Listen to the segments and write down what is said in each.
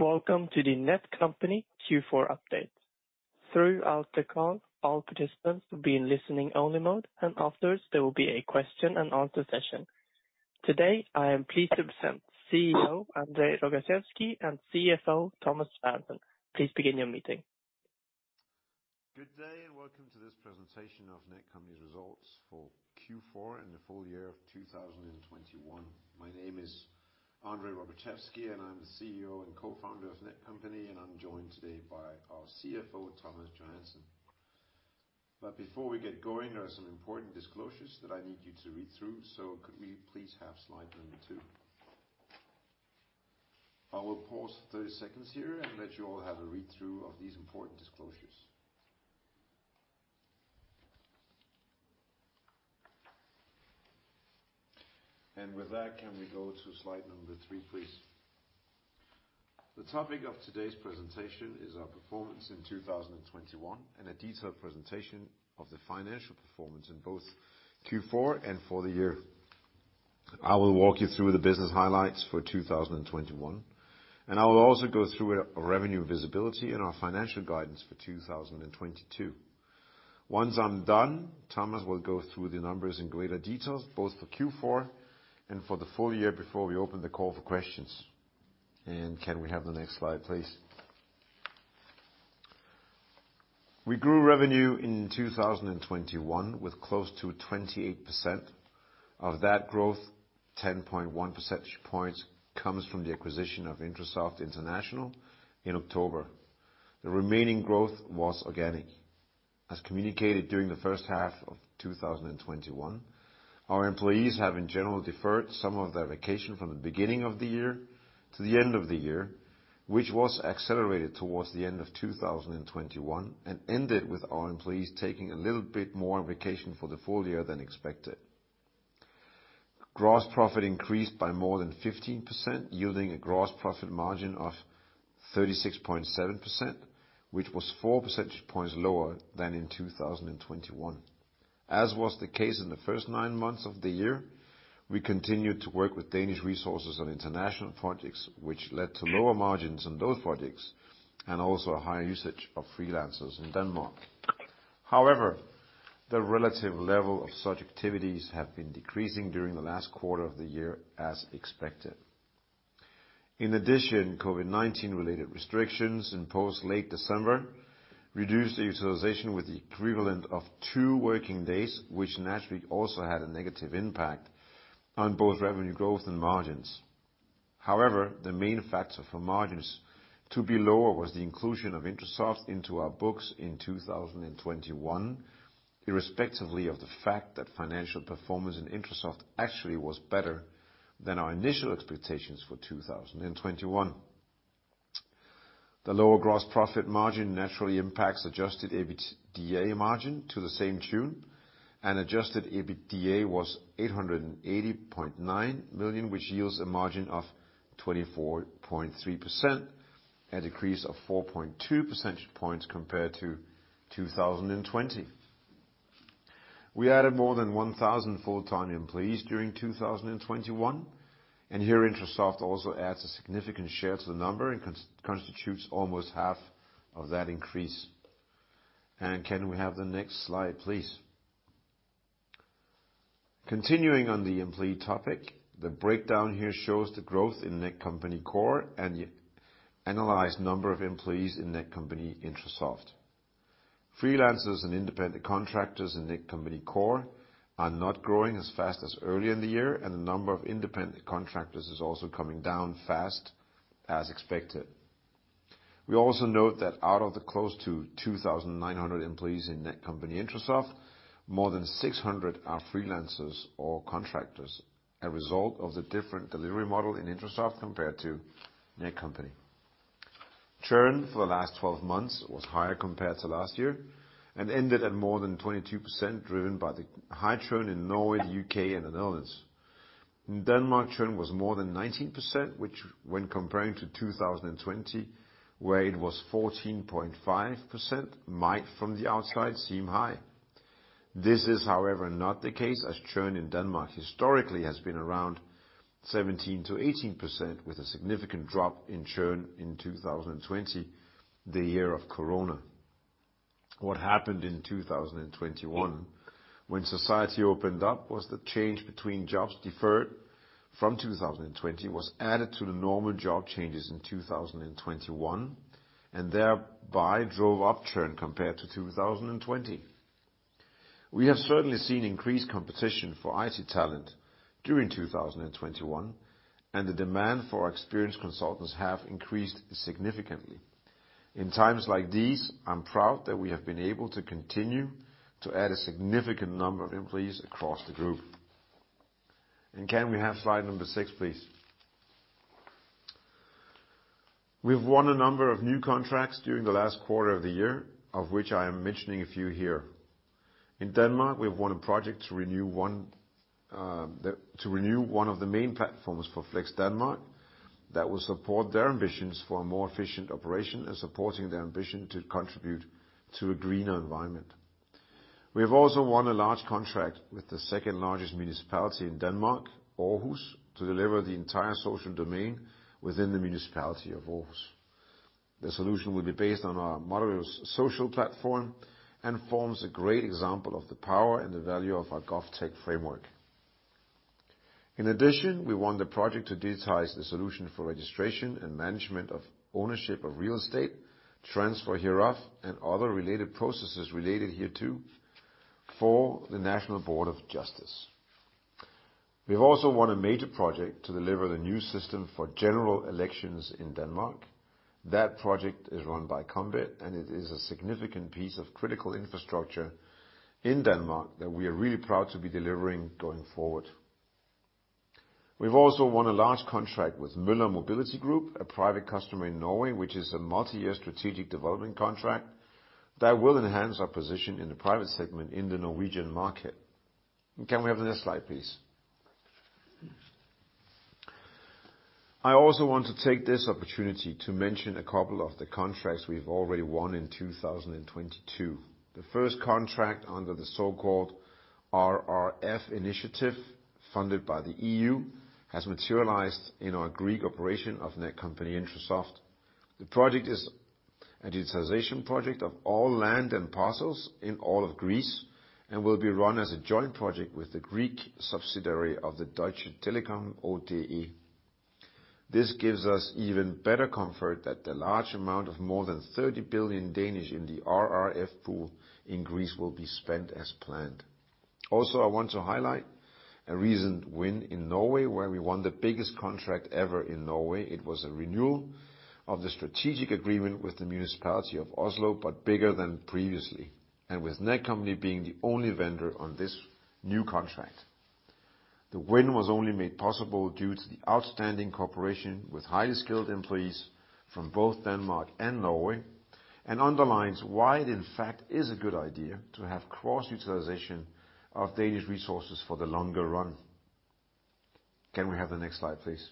Welcome to the Netcompany Q4 update. Throughout the call, all participants will be in listening only mode, and afterwards there will be a question and answer session. Today, I am pleased to present CEO André Rogaczewski and CFO Thomas Johansen. Please begin your meeting. Good day, and welcome to this presentation of Netcompany's results for Q4 and the full year of 2021. My name is André Rogaczewski, and I'm the CEO and co-founder of Netcompany, and I'm joined today by our CFO, Thomas Johansen. Before we get going, there are some important disclosures that I need you to read through, so could we please have slide number 2. I will pause 30 seconds here and let you all have a read through of these important disclosures. With that, can we go to slide number 3, please? The topic of today's presentation is our performance in 2021, and a detailed presentation of the financial performance in both Q4 and for the year. I will walk you through the business highlights for 2021, and I will also go through our revenue visibility and our financial guidance for 2022. Once I'm done, Thomas will go through the numbers in greater detail, both for Q4 and for the full year before we open the call for questions. Can we have the next slide, please? We grew revenue in 2021 with close to 28%. Of that growth, 10.1 percentage points comes from the acquisition of INTRASOFT International in October. The remaining growth was organic. As communicated during the first half of 2021, our employees have in general deferred some of their vacation from the beginning of the year to the end of the year, which was accelerated towards the end of 2021, and ended with our employees taking a little bit more vacation for the full year than expected. Gross profit increased by more than 15%, yielding a gross profit margin of 36.7%, which was four percentage points lower than in 2021. As was the case in the first nine months of the year, we continued to work with Danish resources on international projects, which led to lower margins on those projects, and also a higher usage of freelancers in Denmark. However, the relative level of such activities have been decreasing during the last quarter of the year as expected. In addition, COVID-19 related restrictions imposed late December reduced the utilization with the equivalent of 2 working days, which naturally also had a negative impact on both revenue growth and margins. However, the main factor for margins to be lower was the inclusion of Intrasoft into our books in 2021, irrespectively of the fact that financial performance in Intrasoft actually was better than our initial expectations for 2021. The lower gross profit margin naturally impacts adjusted EBITDA margin to the same tune. Adjusted EBITDA was 880.9 million, which yields a margin of 24.3%, a decrease of 4.2 percentage points compared to 2020. We added more than 1,000 full-time employees during 2021, and here Intrasoft also adds a significant share to the number and constitutes almost half of that increase. Can we have the next slide, please? Continuing on the employee topic, the breakdown here shows the growth in Netcompany Core and the analyzed number of employees in Netcompany-INTRASOFT. Freelancers and independent contractors in Netcompany Core are not growing as fast as early in the year, and the number of independent contractors is also coming down fast as expected. We also note that out of the close to 2,900 employees in Netcompany-INTRASOFT, more than 600 are freelancers or contractors, a result of the different delivery model in Intrasoft compared to Netcompany. Churn for the last 12 months was higher compared to last year and ended at more than 22% driven by the high churn in Norway, U.K., and the Netherlands. In Denmark, churn was more than 19%, which when comparing to 2020 where it was 14.5% might from the outside seem high. This is however, not the case, as churn in Denmark historically has been around 17%-18% with a significant drop in churn in 2020, the year of COVID-19. What happened in 2021 when society opened up was the change between jobs deferred from 2020 was added to the normal job changes in 2021, and thereby drove up churn compared to 2020. We have certainly seen increased competition for IT talent during 2021, and the demand for our experienced consultants have increased significantly. In times like these, I'm proud that we have been able to continue to add a significant number of employees across the group. Can we have slide 6, please? We've won a number of new contracts during the last quarter of the year, of which I am mentioning a few here. In Denmark, we've won a project to renew one of the main platforms for FlexDanmark that will support their ambitions for a more efficient operation and supporting their ambition to contribute to a greener environment. We have also won a large contract with the second largest municipality in Denmark, Aarhus, to deliver the entire social domain within the municipality of Aarhus. The solution will be based on our modular social platform and forms a great example of the power and the value of our GovTech framework. In addition, we won the project to digitize the solution for registration and management of ownership of real estate, transfer hereof and other related processes related hereto for the National Board of Justice. We have also won a major project to deliver the new system for general elections in Denmark. That project is run by Combat, and it is a significant piece of critical infrastructure in Denmark that we are really proud to be delivering going forward. We've also won a large contract with Møller Mobility Group, a private customer in Norway, which is a multi-year strategic development contract that will enhance our position in the private segment in the Norwegian market. Can we have the next slide, please? I also want to take this opportunity to mention a couple of the contracts we've already won in 2022. The first contract under the so-called RRF initiative, funded by the EU, has materialized in our Greek operation of Netcompany-Intrasoft. The project is a digitization project of all land and parcels in all of Greece and will be run as a joint project with the Greek subsidiary of the Deutsche Telekom, OTE. This gives us even better comfort that the large amount of more than 30 billion in the RRF pool in Greece will be spent as planned. Also, I want to highlight a recent win in Norway, where we won the biggest contract ever in Norway. It was a renewal of the strategic agreement with the municipality of Oslo, but bigger than previously, and with Netcompany being the only vendor on this new contract. The win was only made possible due to the outstanding cooperation with highly skilled employees from both Denmark and Norway, and underlines why it, in fact, is a good idea to have cross-utilization of Danish resources for the longer run. Can we have the next slide, please?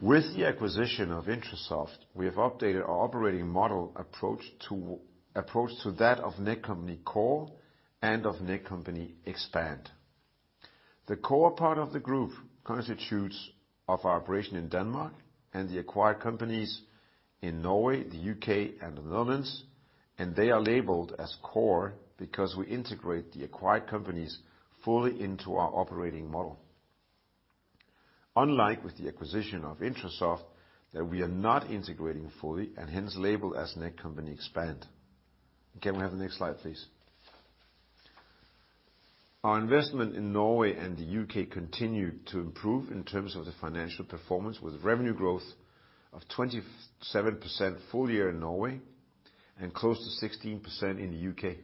With the acquisition of Intrasoft, we have updated our operating model approach to that of Netcompany Core and of Netcompany Expand. The Core part of the group constitutes of our operation in Denmark and the acquired companies in Norway, the U.K., and the Netherlands, and they are labeled as Core because we integrate the acquired companies fully into our operating model. Unlike with the acquisition of Intrasoft, that we are not integrating fully and hence labeled as Netcompany Expand. Can we have the next slide, please? Our investment in Norway and the U.K. continued to improve in terms of the financial performance, with revenue growth of 27% full year in Norway and close to 16% in the U.K.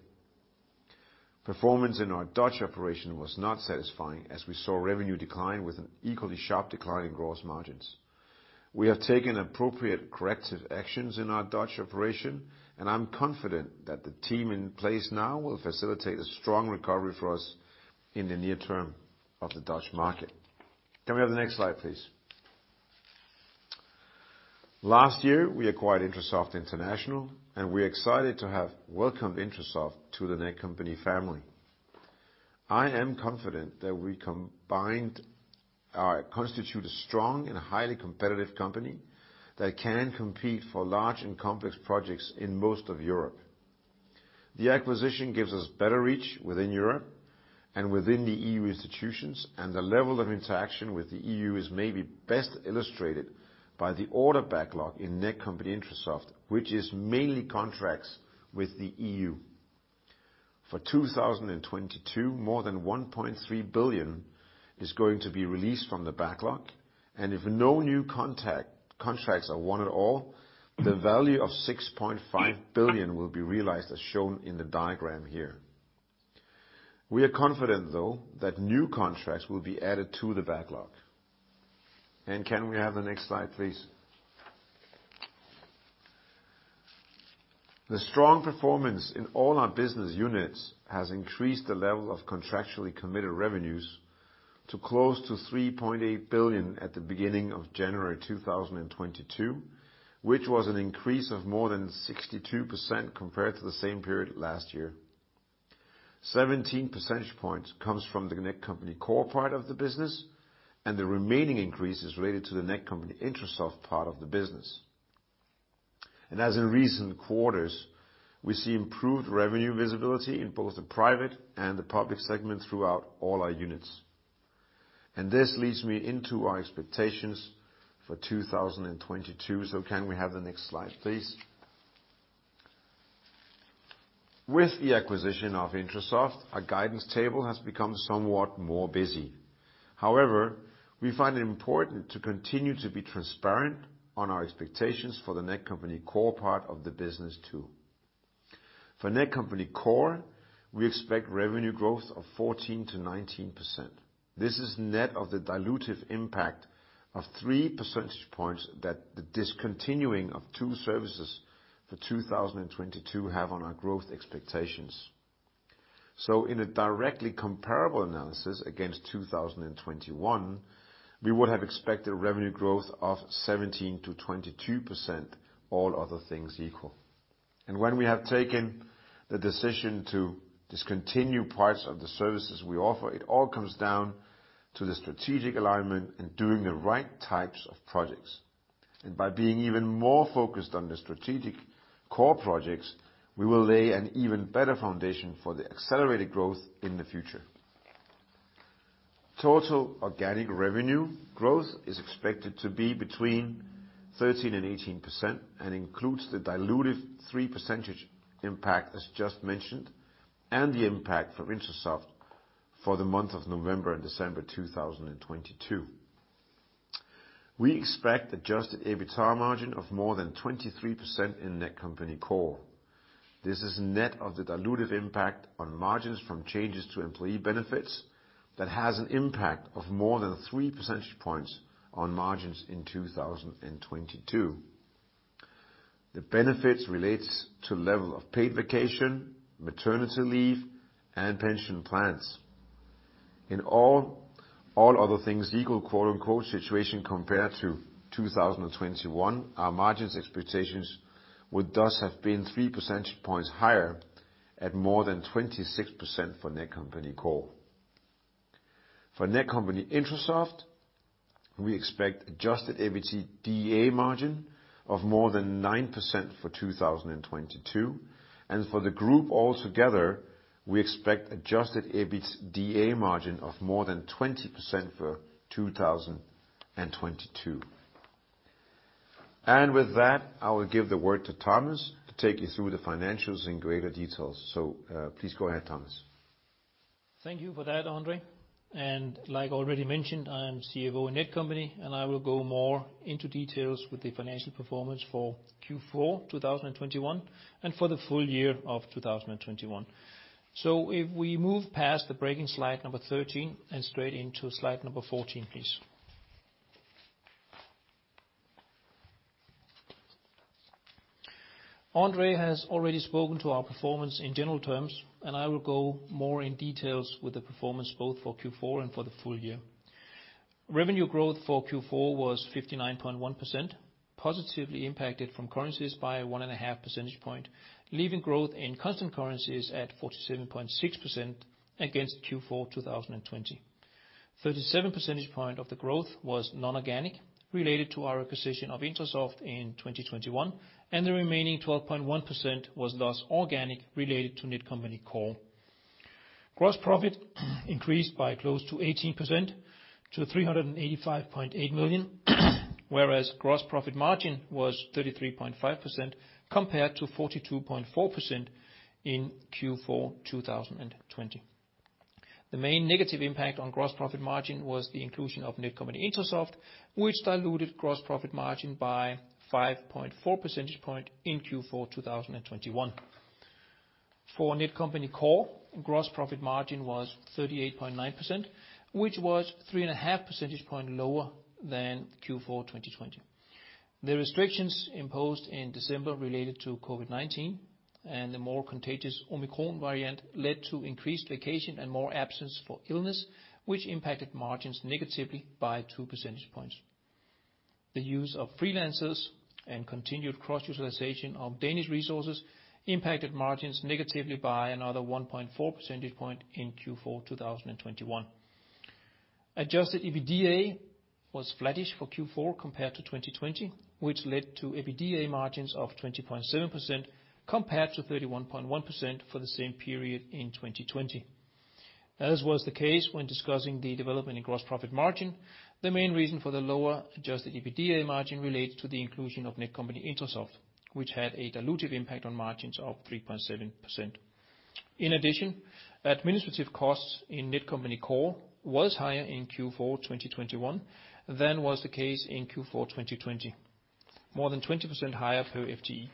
Performance in our Dutch operation was not satisfying, as we saw revenue decline with an equally sharp decline in gross margins. We have taken appropriate corrective actions in our Dutch operation, and I'm confident that the team in place now will facilitate a strong recovery for us in the near term of the Dutch market. Can we have the next slide, please? Last year, we acquired Intrasoft International, and we're excited to have welcomed to the Netcompany family. I am confident that we combine to constitute a strong and highly competitive company that can compete for large and complex projects in most of Europe. The acquisition gives us better reach within Europe and within the EU institutions, and the level of interaction with the EU is maybe best illustrated by the order backlog in Netcompany-Intrasoft, which is mainly contracts with the EU. For 2022, more than 1.3 billion is going to be released from the backlog, and if no new contracts are won at all, the value of 6.5 billion will be realized as shown in the diagram here. We are confident, though, that new contracts will be added to the backlog. Can we have the next slide, please? The strong performance in all our business units has increased the level of contractually committed revenues to close to 3.8 billion at the beginning of January 2022, which was an increase of more than 62% compared to the same period last year. 17 percentage points comes from the Netcompany Core part of the business, and the remaining increase is related to the Netcompany-Intrasoft part of the business. As in recent quarters, we see improved revenue visibility in both the private and the public segment throughout all our units. This leads me into our expectations for 2022, so can we have the next slide, please? With the acquisition of Intrasoft, our guidance table has become somewhat more busy. However, we find it important to continue to be transparent on our expectations for the Netcompany Core part of the business too. For Netcompany Core, we expect revenue growth of 14%-19%. This is net of the dilutive impact of 3 percentage points that the discontinuing of two services for 2022 have on our growth expectations. In a directly comparable analysis against 2021, we would have expected revenue growth of 17%-22%, all other things equal. When we have taken the decision to discontinue parts of the services we offer, it all comes down to the strategic alignment and doing the right types of projects. By being even more focused on the strategic core projects, we will lay an even better foundation for the accelerated growth in the future. Total organic revenue growth is expected to be between 13% and 18% and includes the dilutive 3 percentage impact as just mentioned, and the impact for Intrasoft for the month of November and December 2022. We expect adjusted EBITDA margin of more than 23% in Netcompany Core. This is net of the dilutive impact on margins from changes to employee benefits that has an impact of more than 3 percentage points on margins in 2022. The benefits relates to level of paid vacation, maternity leave, and pension plans. In all, other things equal, quote unquote, situation compared to 2021, our margins expectations would thus have been 3 percentage points higher at more than 26% for Netcompany Core. For Netcompany-Intrasoft, we expect adjusted EBITDA margin of more than 9% for 2022, and for the group altogether, we expect adjusted EBITDA margin of more than 20% for 2022. With that, I will give the word to Thomas to take you through the financials in greater details. Please go ahead, Thomas. Thank you for that, André. Like already mentioned, I am CFO in Netcompany, and I will go more into details with the financial performance for Q4 2021 and for the full year of 2021. If we move past the blank slide number 13 and straight into slide number 14, please. André has already spoken to our performance in general terms, and I will go more into details with the performance both for Q4 and for the full year. Revenue growth for Q4 was 59.1%, positively impacted by currencies by 1.5 percentage points, leaving growth in constant currencies at 47.6% against Q4 2020. 37 percentage points of the growth was non-organic related to our acquisition of Intrasoft in 2021, and the remaining 12.1% was organic related to Netcompany Core. Gross profit increased by close to 18% to 385.8 million, whereas gross profit margin was 33.5% compared to 42.4% in Q4 2020. The main negative impact on gross profit margin was the inclusion of Netcompany-INTRASOFT, which diluted gross profit margin by 5.4 percentage points in Q4 2021. For Netcompany Core, gross profit margin was 38.9%, which was 3.5 percentage points lower than Q4 2020. The restrictions imposed in December related to COVID-19 and the more contagious Omicron variant led to increased vacation and more absence for illness, which impacted margins negatively by 2 percentage points. The use of freelancers and continued cross-utilization of Danish resources impacted margins negatively by another 1.4 percentage point in Q4 2021. Adjusted EBITDA was flattish for Q4 compared to 2020, which led to EBITDA margins of 20.7% compared to 31.1% for the same period in 2020. As was the case when discussing the development in gross profit margin, the main reason for the lower adjusted EBITDA margin relates to the inclusion of Netcompany-INTRASOFT, which had a dilutive impact on margins of 3.7%. In addition, administrative costs in Netcompany Core was higher in Q4 2021 than was the case in Q4 2020, more than 20% higher per FTE.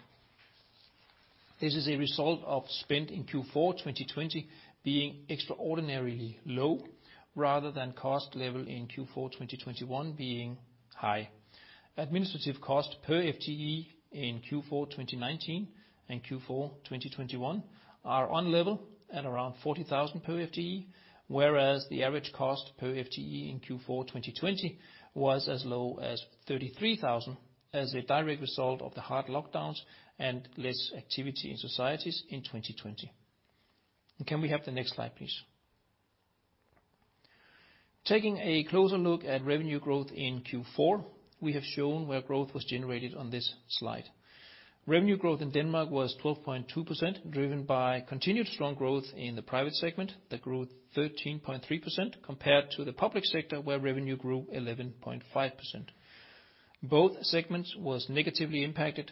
This is a result of spend in Q4 2020 being extraordinarily low rather than cost level in Q4 2021 being high. Administrative cost per FTE in Q4 2019 and Q4 2021 are on level at around 40,000 per FTE, whereas the average cost per FTE in Q4 2020 was as low as 33,000 as a direct result of the hard lockdowns and less activity in societies in 2020. Can we have the next slide, please? Taking a closer look at revenue growth in Q4, we have shown where growth was generated on this slide. Revenue growth in Denmark was 12.2%, driven by continued strong growth in the private segment that grew 13.3% compared to the public sector, where revenue grew 11.5%. Both segments were negatively impacted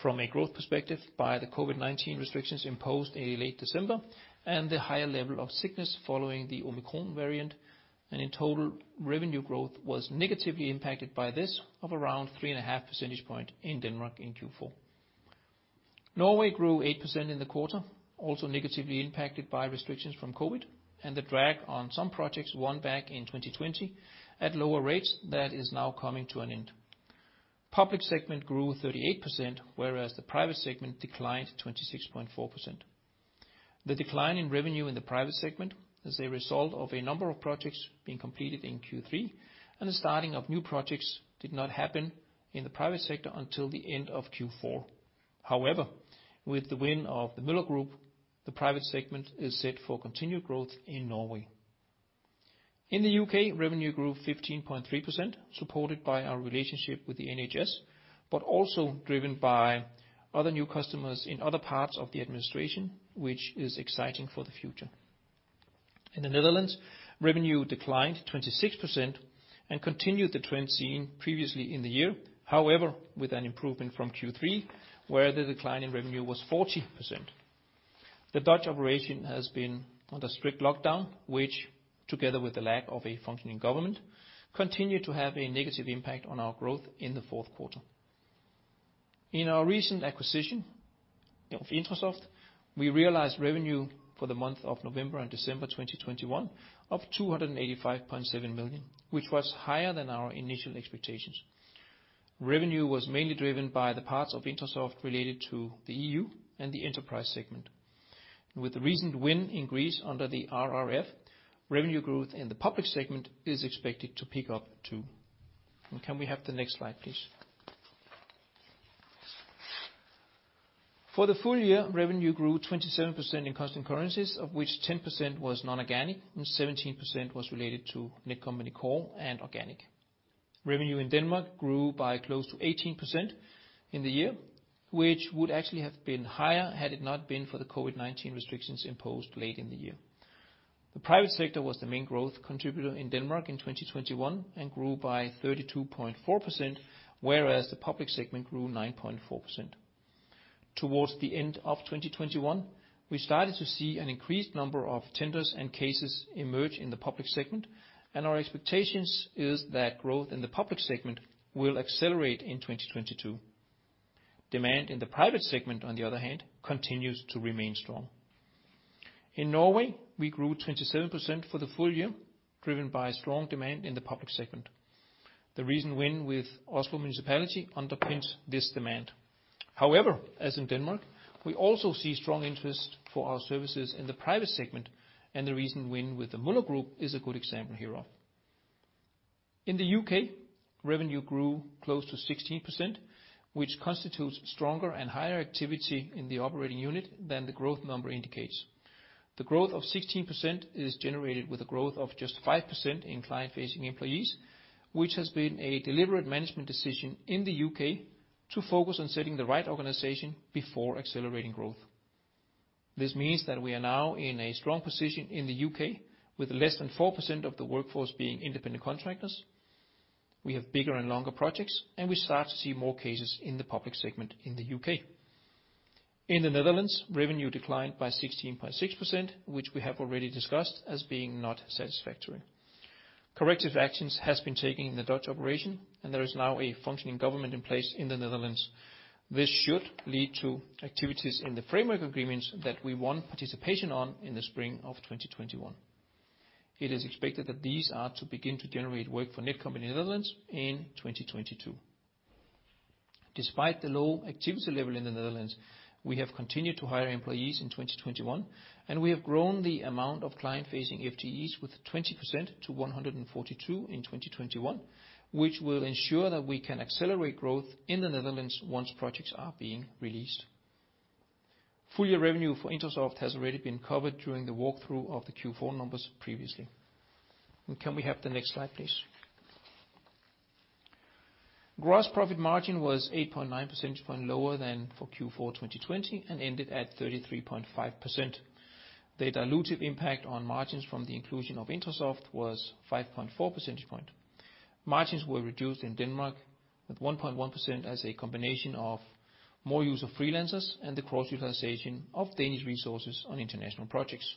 from a growth perspective by the COVID-19 restrictions imposed in late December and the higher level of sickness following the Omicron variant. In total, revenue growth was negatively impacted by this of around 3.5 percentage points in Denmark in Q4. Norway grew 8% in the quarter, also negatively impacted by restrictions from COVID and the drag on some projects won back in 2020 at lower rates that is now coming to an end. Public segment grew 38%, whereas the private segment declined 26.4%. The decline in revenue in the private segment is a result of a number of projects being completed in Q3, and the starting of new projects did not happen in the private sector until the end of Q4. However, with the win of the Møller Mobility Group, the private segment is set for continued growth in Norway. In the U.K., revenue grew 15.3%, supported by our relationship with the NHS, but also driven by other new customers in other parts of the administration, which is exciting for the future. In the Netherlands, revenue declined 26% and continued the trend seen previously in the year. However, with an improvement from Q3, where the decline in revenue was 40%. The Dutch operation has been under strict lockdown, which together with the lack of a functioning government, continued to have a negative impact on our growth in the fourth quarter. In our recent acquisition of Intrasoft, we realized revenue for the month of November and December 2021 of 285.7 million, which was higher than our initial expectations. Revenue was mainly driven by the parts of Intrasoft related to the EU and the enterprise segment. With the recent win in Greece under the RRF, revenue growth in the public segment is expected to pick up too. Can we have the next slide, please. For the full year, revenue grew 27% in constant currencies, of which 10% was non-organic and 17% was related to Netcompany Core and organic. Revenue in Denmark grew by close to 18% in the year, which would actually have been higher had it not been for the COVID-19 restrictions imposed late in the year. The private sector was the main growth contributor in Denmark in 2021 and grew by 32.4%, whereas the public segment grew 9.4%. Towards the end of 2021, we started to see an increased number of tenders and cases emerge in the public segment, and our expectations is that growth in the public segment will accelerate in 2022. Demand in the private segment, on the other hand, continues to remain strong. In Norway, we grew 27% for the full year, driven by strong demand in the public segment. The recent win with Oslo Municipality underpins this demand. However, as in Denmark, we also see strong interest for our services in the private segment, and the recent win with the Møller Mobility Group is a good example hereof. In the U.K., revenue grew close to 16%, which constitutes stronger and higher activity in the operating unit than the growth number indicates. The growth of 16% is generated with a growth of just 5% in client-facing employees, which has been a deliberate management decision in the U.K. to focus on setting the right organization before accelerating growth. This means that we are now in a strong position in the U.K., with less than 4% of the workforce being independent contractors. We have bigger and longer projects, and we start to see more cases in the public segment in the U.K. In the Netherlands, revenue declined by 16.6%, which we have already discussed as being not satisfactory. Corrective actions have been taken in the Dutch operation, and there is now a functioning government in place in the Netherlands. This should lead to activities in the framework agreements that we won participation on in the spring of 2021. It is expected that these are to begin to generate work for Netcompany Netherlands in 2022. Despite the low activity level in the Netherlands, we have continued to hire employees in 2021, and we have grown the amount of client-facing FTEs with 20% to 142 in 2021, which will ensure that we can accelerate growth in the Netherlands once projects are being released. Full year revenue for INTRASOFT has already been covered during the walkthrough of the Q4 numbers previously. Can we have the next slide, please? Gross profit margin was 8.9 percentage point lower than for Q4 2020 and ended at 33.5%. The dilutive impact on margins from the inclusion of INTRASOFT was 5.4 percentage point. Margins were reduced in Denmark at 1.1% as a combination of more use of freelancers and the cross-utilization of Danish resources on international projects.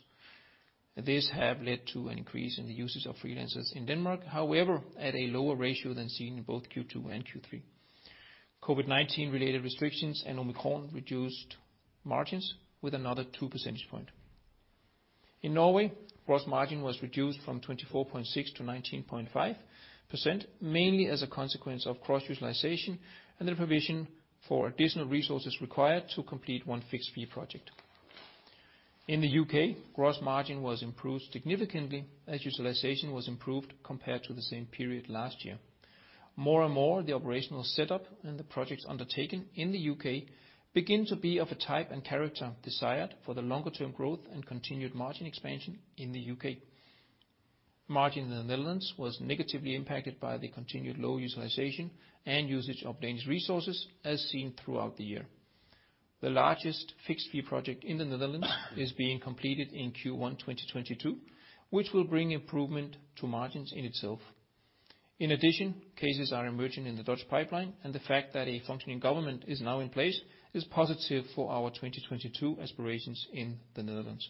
This has led to an increase in the usage of freelancers in Denmark, however, at a lower ratio than seen in both Q2 and Q3. COVID-19 related restrictions and Omicron reduced margins with another 2 percentage point. In Norway, gross margin was reduced from 24.6% to 19.5%, mainly as a consequence of cross-utilization and the provision for additional resources required to complete one fixed fee project. In the U.K., gross margin was improved significantly as utilization was improved compared to the same period last year. More and more, the operational setup and the projects undertaken in the U.K. begin to be of a type and character desired for the longer term growth and continued margin expansion in the U.K. Margin in the Netherlands was negatively impacted by the continued low utilization and usage of Danish resources as seen throughout the year. The largest fixed fee project in the Netherlands is being completed in Q1 2022, which will bring improvement to margins in itself. In addition, cases are emerging in the Dutch pipeline, and the fact that a functioning government is now in place is positive for our 2022 aspirations in the Netherlands.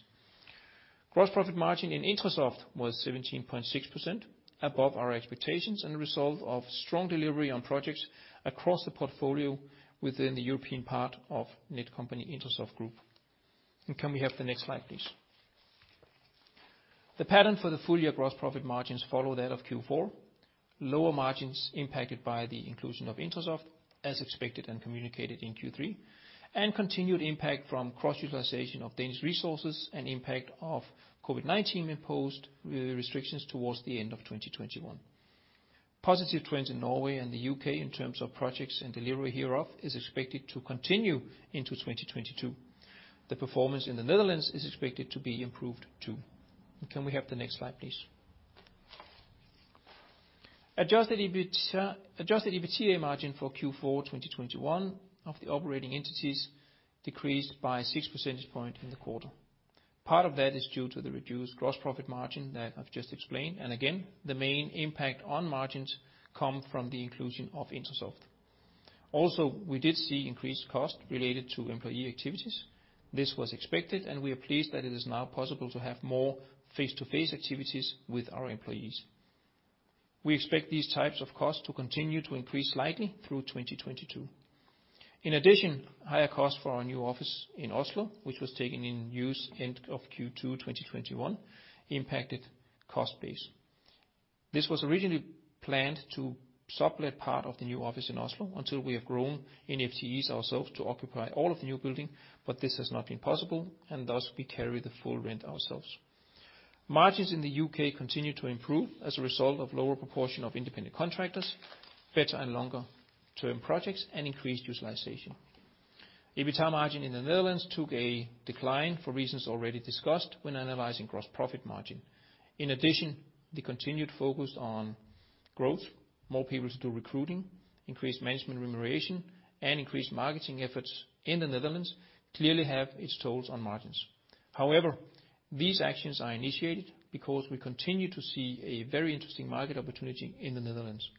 Gross profit margin in INTRASOFT was 17.6%, above our expectations and a result of strong delivery on projects across the portfolio within the European part of Netcompany-INTRASOFT Group. Can we have the next slide, please? The pattern for the full year gross profit margins follow that of Q4. Lower margins impacted by the inclusion of INTRASOFT as expected and communicated in Q3, and continued impact from cross-utilization of Danish resources and impact of COVID-19-imposed restrictions towards the end of 2021. Positive trends in Norway and the U.K. in terms of projects and delivery hereof is expected to continue into 2022. The performance in the Netherlands is expected to be improved too. Can we have the next slide, please? Adjusted EBITDA, adjusted EBITDA margin for Q4 2021 of the operating entities decreased by six percentage points in the quarter. Part of that is due to the reduced gross profit margin that I've just explained. Again, the main impact on margins come from the inclusion of INTRASOFT. Also, we did see increased costs related to employee activities. This was expected, and we are pleased that it is now possible to have more face-to-face activities with our employees. We expect these types of costs to continue to increase slightly through 2022. In addition, higher costs for our new office in Oslo, which was taken in use end of Q2 2021, impacted cost base. This was originally planned to sublet part of the new office in Oslo until we have grown in FTEs ourselves to occupy all of the new building, but this has not been possible and thus we carry the full rent ourselves. Margins in the U.K. continue to improve as a result of lower proportion of independent contractors, better and longer-term projects, and increased utilization. EBITA margin in the Netherlands took a decline for reasons already discussed when analyzing gross profit margin. In addition, the continued focus on growth, more people to do recruiting, increased management remuneration, and increased marketing efforts in the Netherlands clearly have its tolls on margins. However, these actions are initiated because we continue to see a very interesting market opportunity in the Netherlands.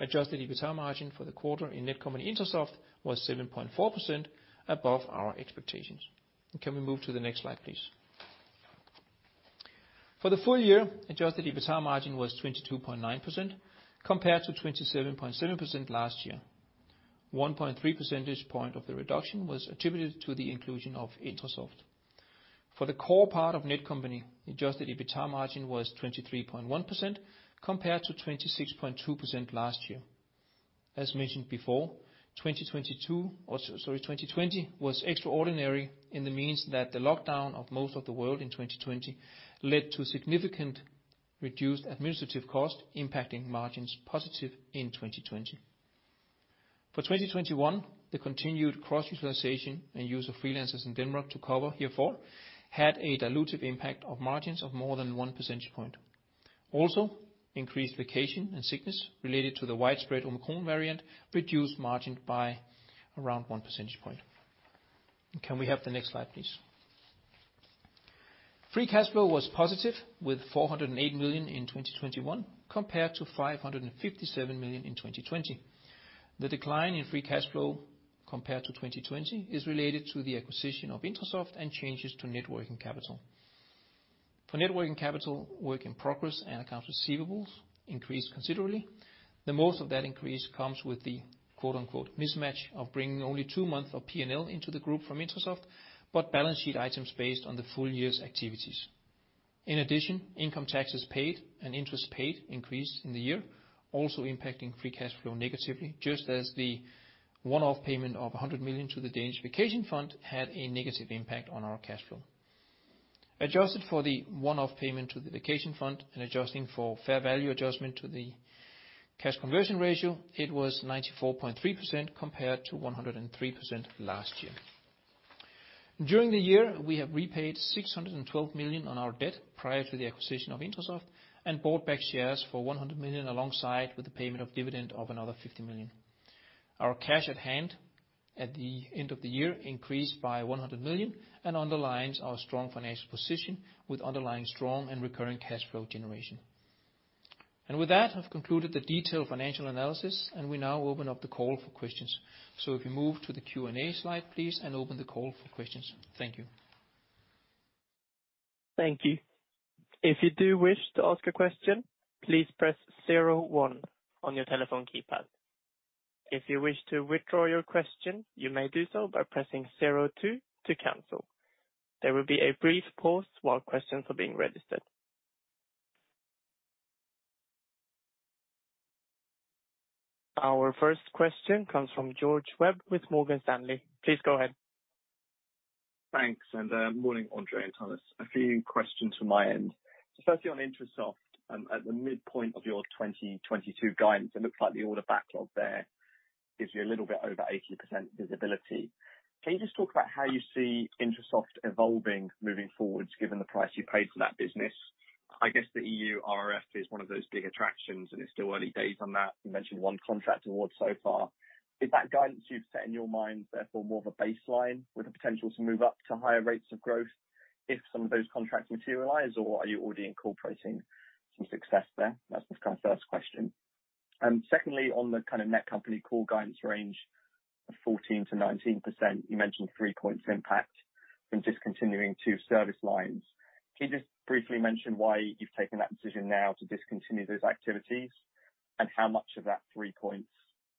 Adjusted EBITA margin for the quarter in Netcompany-INTRASOFT was 7.4% above our expectations. Can we move to the next slide, please? For the full year, adjusted EBITA margin was 22.9% compared to 27.7% last year. 1.3 percentage point of the reduction was attributed to the inclusion of INTRASOFT. For the core part of Netcompany, adjusted EBITA margin was 23.1% compared to 26.2% last year. As mentioned before, 2020 was extraordinary in the sense that the lockdown of most of the world in 2020 led to significantly reduced administrative costs impacting margins positively in 2020. For 2021, the continued cross-utilization and use of freelancers in Denmark to cover the load had a dilutive impact on margins of more than 1 percentage point. Also, increased vacation and sickness related to the widespread Omicron variant reduced margin by around 1 percentage point. Can we have the next slide, please? Free cash flow was positive with 408 million in 2021 compared to 557 million in 2020. The decline in free cash flow compared to 2020 is related to the acquisition of INTRASOFT and changes to net working capital. For net working capital, work in progress and accounts receivables increased considerably. The most of that increase comes with the quote, unquote, “mismatch of bringing only two months of P&L into the group from INTRASOFT, but balance sheet items based on the full year's activities.” In addition, income taxes paid and interest paid increased in the year, also impacting free cash flow negatively, just as the one-off payment of 100 million to the Danish Vacation Fund had a negative impact on our cash flow. Adjusted for the one-off payment to the Vacation Fund and adjusting for fair value adjustment to the cash conversion ratio, it was 94.3% compared to 103% last year. During the year, we have repaid 612 million on our debt prior to the acquisition of INTRASOFT and bought back shares for 100 million alongside with the payment of dividend of another 50 million. Our cash at hand at the end of the year increased by 100 million and underlines our strong financial position with underlying strong and recurring cash flow generation. With that, I've concluded the detailed financial analysis, and we now open up the call for questions. If you move to the Q&A slide, please, and open the call for questions. Thank you. Thank you. If you do wish to ask a question, please press zero one on your telephone keypad. If you wish to withdraw your question, you may do so by pressing zero two to cancel. There will be a brief pause while questions are being registered. Our first question comes from George Webb with Morgan Stanley. Please go ahead. Thanks, morning, André and Thomas. A few questions from my end. Firstly, on INTRASOFT, at the midpoint of your 2022 guidance, it looks like the order backlog there gives you a little bit over 80% visibility. Can you just talk about how you see INTRASOFT evolving moving forward given the price you paid for that business? I guess the EU RRF is one of those big attractions, and it's still early days on that. You mentioned one contract award so far. Is that guidance you've set in your mind therefore more of a baseline with the potential to move up to higher rates of growth if some of those contracts materialize, or are you already incorporating some success there? That's just kind of first question. Secondly, on the kind of Netcompany Core guidance range of 14%-19%, you mentioned three points impact from discontinuing two service lines. Can you just briefly mention why you've taken that decision now to discontinue those activities and how much of that three points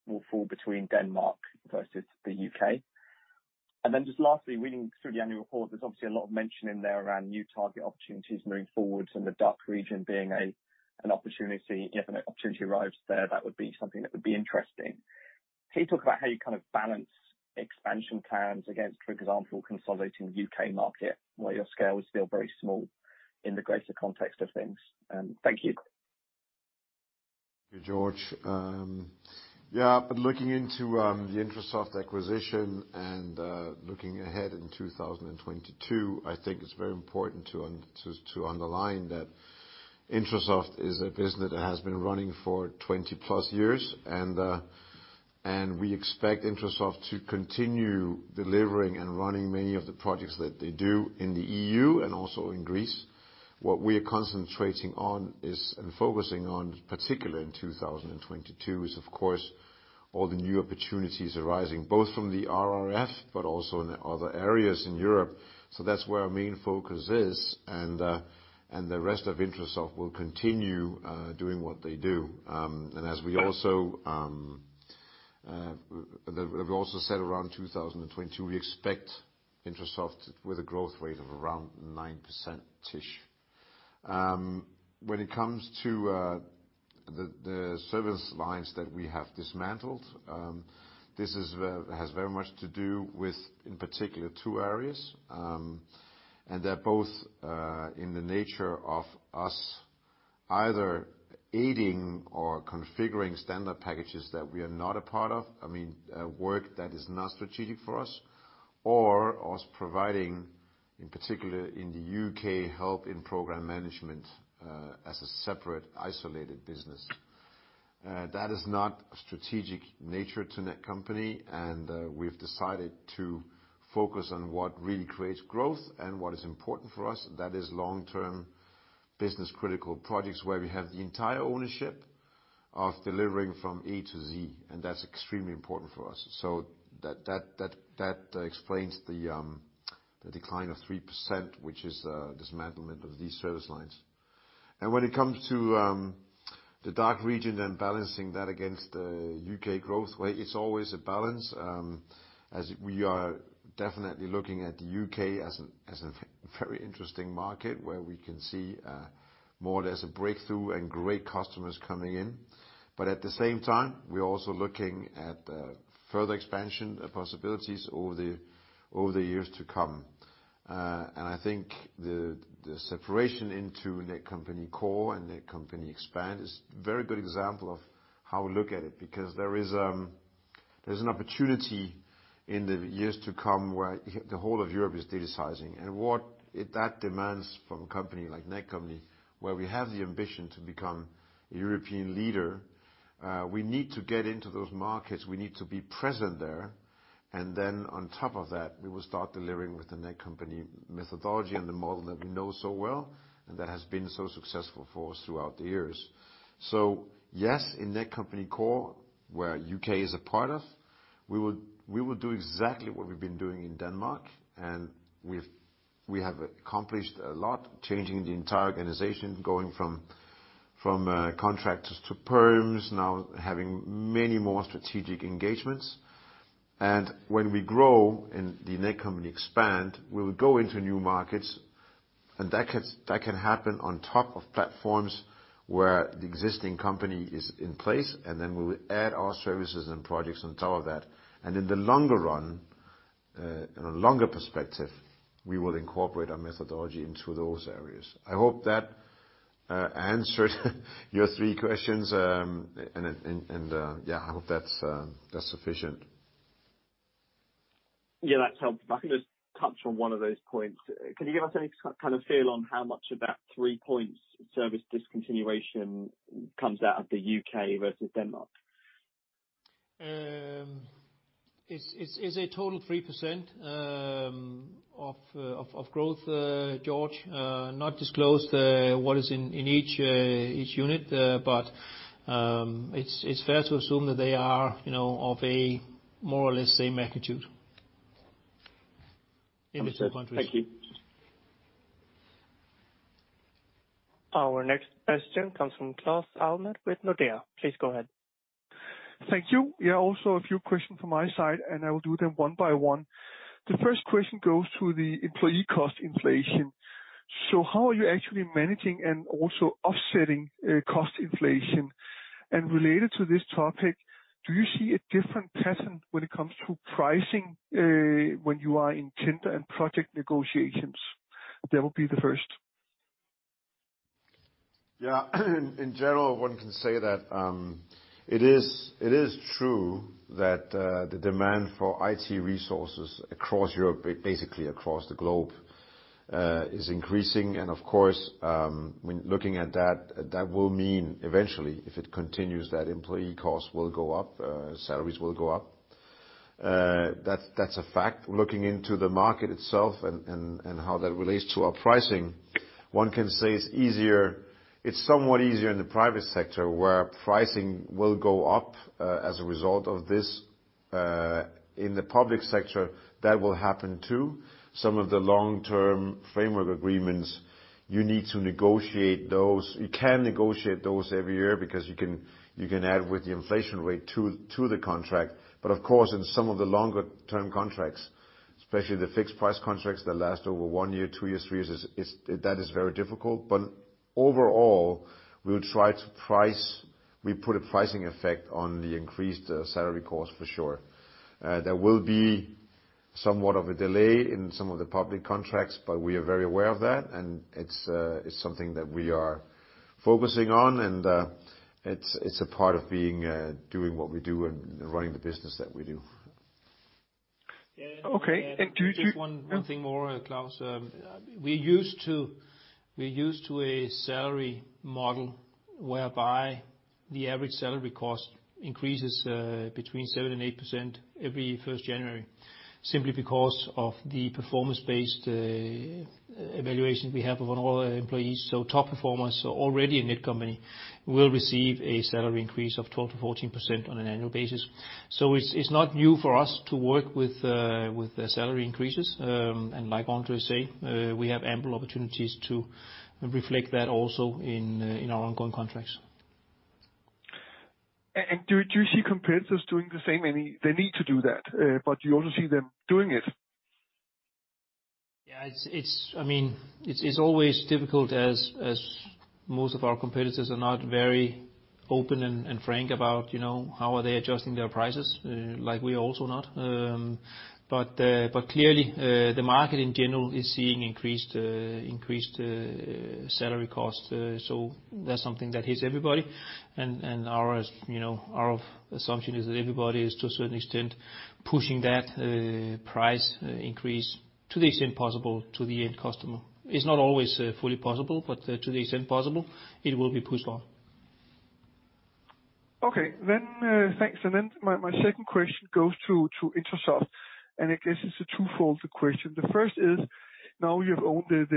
will fall between Denmark versus the U.K.? Just lastly, reading through the annual report, there's obviously a lot of mention in there around new target opportunities moving forward and the DACH region being an opportunity. If an opportunity arrives there, that would be something that would be interesting. Can you talk about how you kind of balance expansion plans against, for example, consolidating U.K. market, where your scale is still very small in the greater context of things? Thank you. Thank you, George. Yeah, looking into the INTRASOFT acquisition and looking ahead in 2022, I think it's very important to underline that INTRASOFT is a business that has been running for 20+ years, and we expect INTRASOFT to continue delivering and running many of the projects that they do in the EU and also in Greece. What we are concentrating on is and focusing on, particularly in 2022, is of course all the new opportunities arising, both from the RRF but also in the other areas in Europe. That's where our main focus is, and the rest of INTRASOFT will continue doing what they do. As we also said around 2022, we expect INTRASOFT with a growth rate of around 9%-ish. When it comes to the service lines that we have dismantled, this is where it has very much to do with, in particular two areas, and they're both in the nature of us either aiding or configuring standard packages that we are not a part of. I mean, work that is not strategic for us or us providing, in particular in the U.K., help in program management, as a separate isolated business. That is not of a strategic nature to Netcompany, and we've decided to focus on what really creates growth and what is important for us. That is long-term business critical projects where we have the entire ownership of delivering from A to Z, and that's extremely important for us. That explains the decline of 3%, which is dismantlement of these service lines. When it comes to the DACH region and balancing that against U.K. growth, where it's always a balance, as we are definitely looking at the U.K. as a very interesting market where we can see more or less a breakthrough and great customers coming in. At the same time, we're also looking at further expansion possibilities over the years to come. I think the separation into Netcompany Core and Netcompany Expand is a very good example of how we look at it because there's an opportunity in the years to come where the whole of Europe is digitalizing and what that demands from a company like Netcompany, where we have the ambition to become a European leader, we need to get into those markets. We need to be present there, and then on top of that, we will start delivering with the Netcompany methodology and the model that we know so well and that has been so successful for us throughout the years. Yes, in Netcompany Core, where U.K. is a part of, we will do exactly what we've been doing in Denmark, and we have accomplished a lot, changing the entire organization, going from contractors to perms, now having many more strategic engagements. When we grow in the Netcompany Expand, we will go into new markets, and that can happen on top of platforms where the existing company is in place, and then we will add our services and projects on top of that. In the longer run, in a longer perspective, we will incorporate our methodology into those areas. I hope that answered your three questions. Yeah, I hope that's sufficient. Yeah, that's helpful. If I can just touch on one of those points. Can you give us any kind of feel on how much of that 3 points service discontinuation comes out of the UK versus Denmark? It's a total 3% of growth, George. We do not disclose what is in each unit, but it's fair to assume that they are, you know, of a more or less same magnitude in the two countries. Understood. Thank you. Our next question comes from Claus Almer with Nordea. Please go ahead. Thank you. Yeah, also a few questions from my side, and I will do them one by one. The first question goes to the employee cost inflation. So how are you actually managing and also offsetting cost inflation? And related to this topic, do you see a different pattern when it comes to pricing when you are in tender and project negotiations? That will be the first. In general, one can say that it is true that the demand for IT resources across Europe, basically across the globe, is increasing. Of course, when looking at that will mean eventually, if it continues, that employee costs will go up, salaries will go up. That's a fact. Looking into the market itself and how that relates to our pricing, one can say it's easier. It's somewhat easier in the private sector where pricing will go up as a result of this. In the public sector, that will happen too. Some of the long-term framework agreements, you need to negotiate those. You can negotiate those every year because you can add the inflation rate to the contract. Of course, in some of the longer-term contracts, especially the fixed price contracts that last over one, two, three years, it's that is very difficult. Overall, we'll try to price we put a pricing effect on the increased salary cost for sure. There will be somewhat of a delay in some of the public contracts, but we are very aware of that, and it's something that we are focusing on, and it's a part of being doing what we do and running the business that we do. Okay. Just one thing more, Claus. We're used to a salary model whereby the average salary cost increases between 7% and 8% every first January, simply because of the performance-based evaluation we have of all our employees. Top performers already in Netcompany will receive a salary increase of 12%-14% on an annual basis. It's not new for us to work with the salary increases. Like André said, we have ample opportunities to reflect that also in our ongoing contracts. Do you see competitors doing the same? I mean, they need to do that, but do you also see them doing it? Yeah. I mean, it's always difficult as most of our competitors are not very open and frank about, you know, how they are adjusting their prices, like we're also not. Clearly, the market in general is seeing increased salary costs, so that's something that hits everybody. As you know, our assumption is that everybody is to a certain extent pushing that price increase to the extent possible to the end customer. It's not always fully possible, but to the extent possible it will be pushed on. Okay. Thanks. My second question goes to INTRASOFT, and I guess it's a two-fold question. The first is, now you've owned this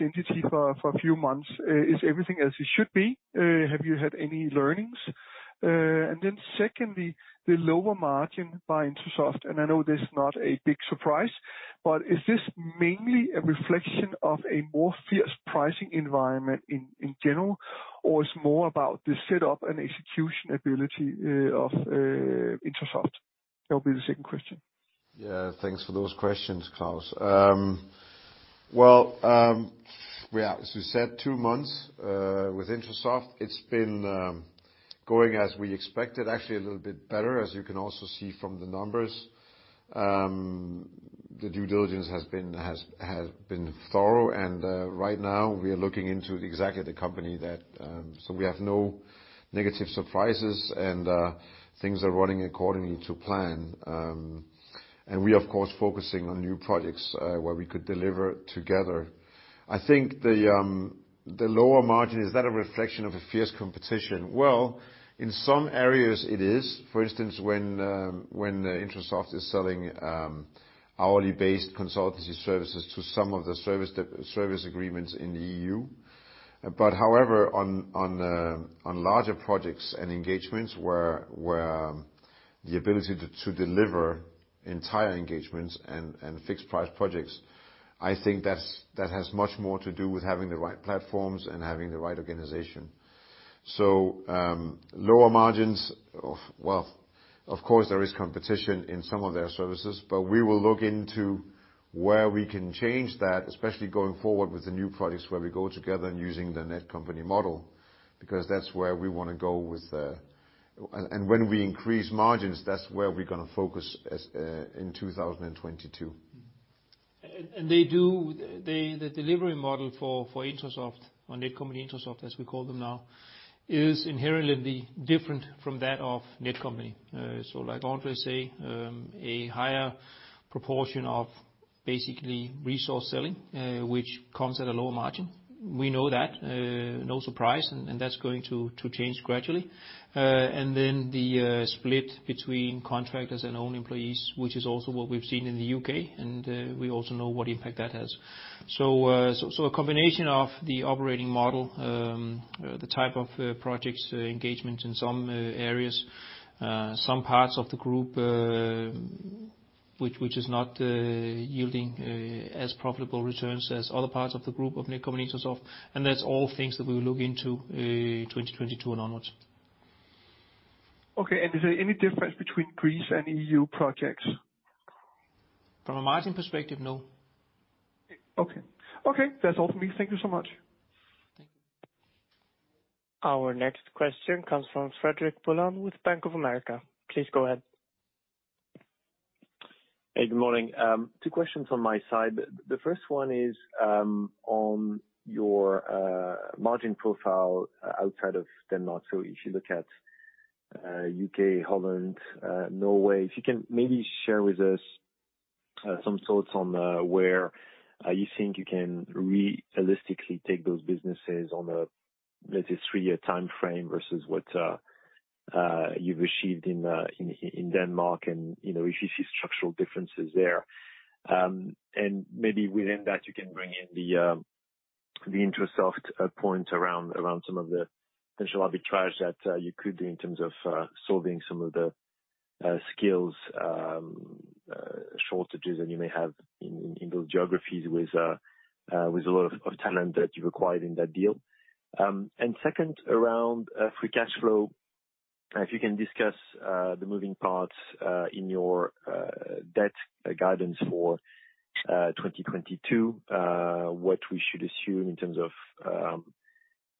entity for a few months. Is everything as it should be? Have you had any learnings? Secondly, the lower margin by INTRASOFT, and I know this is not a big surprise, but is this mainly a reflection of a more fierce pricing environment in general, or it's more about the setup and execution ability of INTRASOFT? That will be the second question. Yeah. Thanks for those questions, Claus Almer. Well, we are, as we said, two months with INTRASOFT. It's been going as we expected, actually a little bit better, as you can also see from the numbers. The due diligence has been thorough, and right now we are looking into exactly the company. We have no negative surprises, and things are running according to plan. We're of course focusing on new projects where we could deliver together. I think the lower margin is that a reflection of a fierce competition? Well, in some areas it is. For instance, when INTRASOFT is selling hourly-based consultancy services to some of the service agreements in the EU. However, on larger projects and engagements where the ability to deliver entire engagements and fixed price projects, I think that has much more to do with having the right platforms and having the right organization. Lower margins. Well, of course there is competition in some of their services, but we will look into where we can change that, especially going forward with the new projects where we go together and using the Netcompany model, because that's where we wanna go with the. When we increase margins, that's where we're gonna focus as in 2022. The delivery model for Intrasoft or Netcompany-INTRASOFT, as we call them now, is inherently different from that of Netcompany. So like André say, a higher proportion of basically resource selling, which comes at a lower margin. We know that, no surprise, and that's going to change gradually. And then the split between contractors and own employees, which is also what we've seen in the U.K., and we also know what impact that has. A combination of the operating model, the type of projects, engagement in some areas, some parts of the group, which is not yielding as profitable returns as other parts of the group of Netcompany-INTRASOFT. That's all things that we'll look into, 2022 and onwards. Okay. Is there any difference between Greece and EU projects? From a margin perspective, no. Okay. That's all for me. Thank you so much. Thank you. Our next question comes from Frederic Boulan with Bank of America. Please go ahead. Hey, good morning. Two questions on my side. The first one is on your margin profile outside of Denmark. If you look at U.K., Netherlands, Norway. If you can maybe share with us some thoughts on where you think you can realistically take those businesses on a three-year timeframe versus what you've achieved in Denmark, you know, if you see structural differences there. Maybe within that, you can bring in the INTRASOFT point around some of the potential arbitrage that you could do in terms of solving some of the skills shortages that you may have in those geographies with a lot of talent that you've acquired in that deal. Second, around free cash flow, if you can discuss the moving parts in your debt guidance for 2022, what we should assume in terms of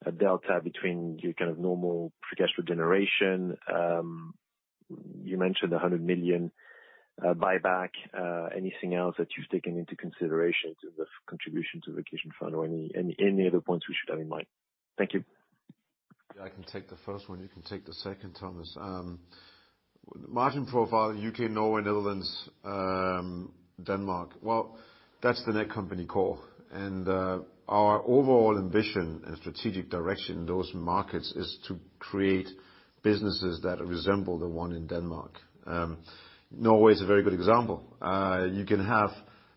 a delta between your kind of normal free cash flow generation. You mentioned a 100 million buyback. Anything else that you've taken into consideration in terms of contribution to Vacation Fund or any other points we should have in mind? Thank you. Yeah, I can take the first one. You can take the second, Thomas. Margin profile, U.K., Norway, Netherlands, Denmark. Well, that's the Netcompany Core. Our overall ambition and strategic direction in those markets is to create businesses that resemble the one in Denmark. Norway is a very good example. You can have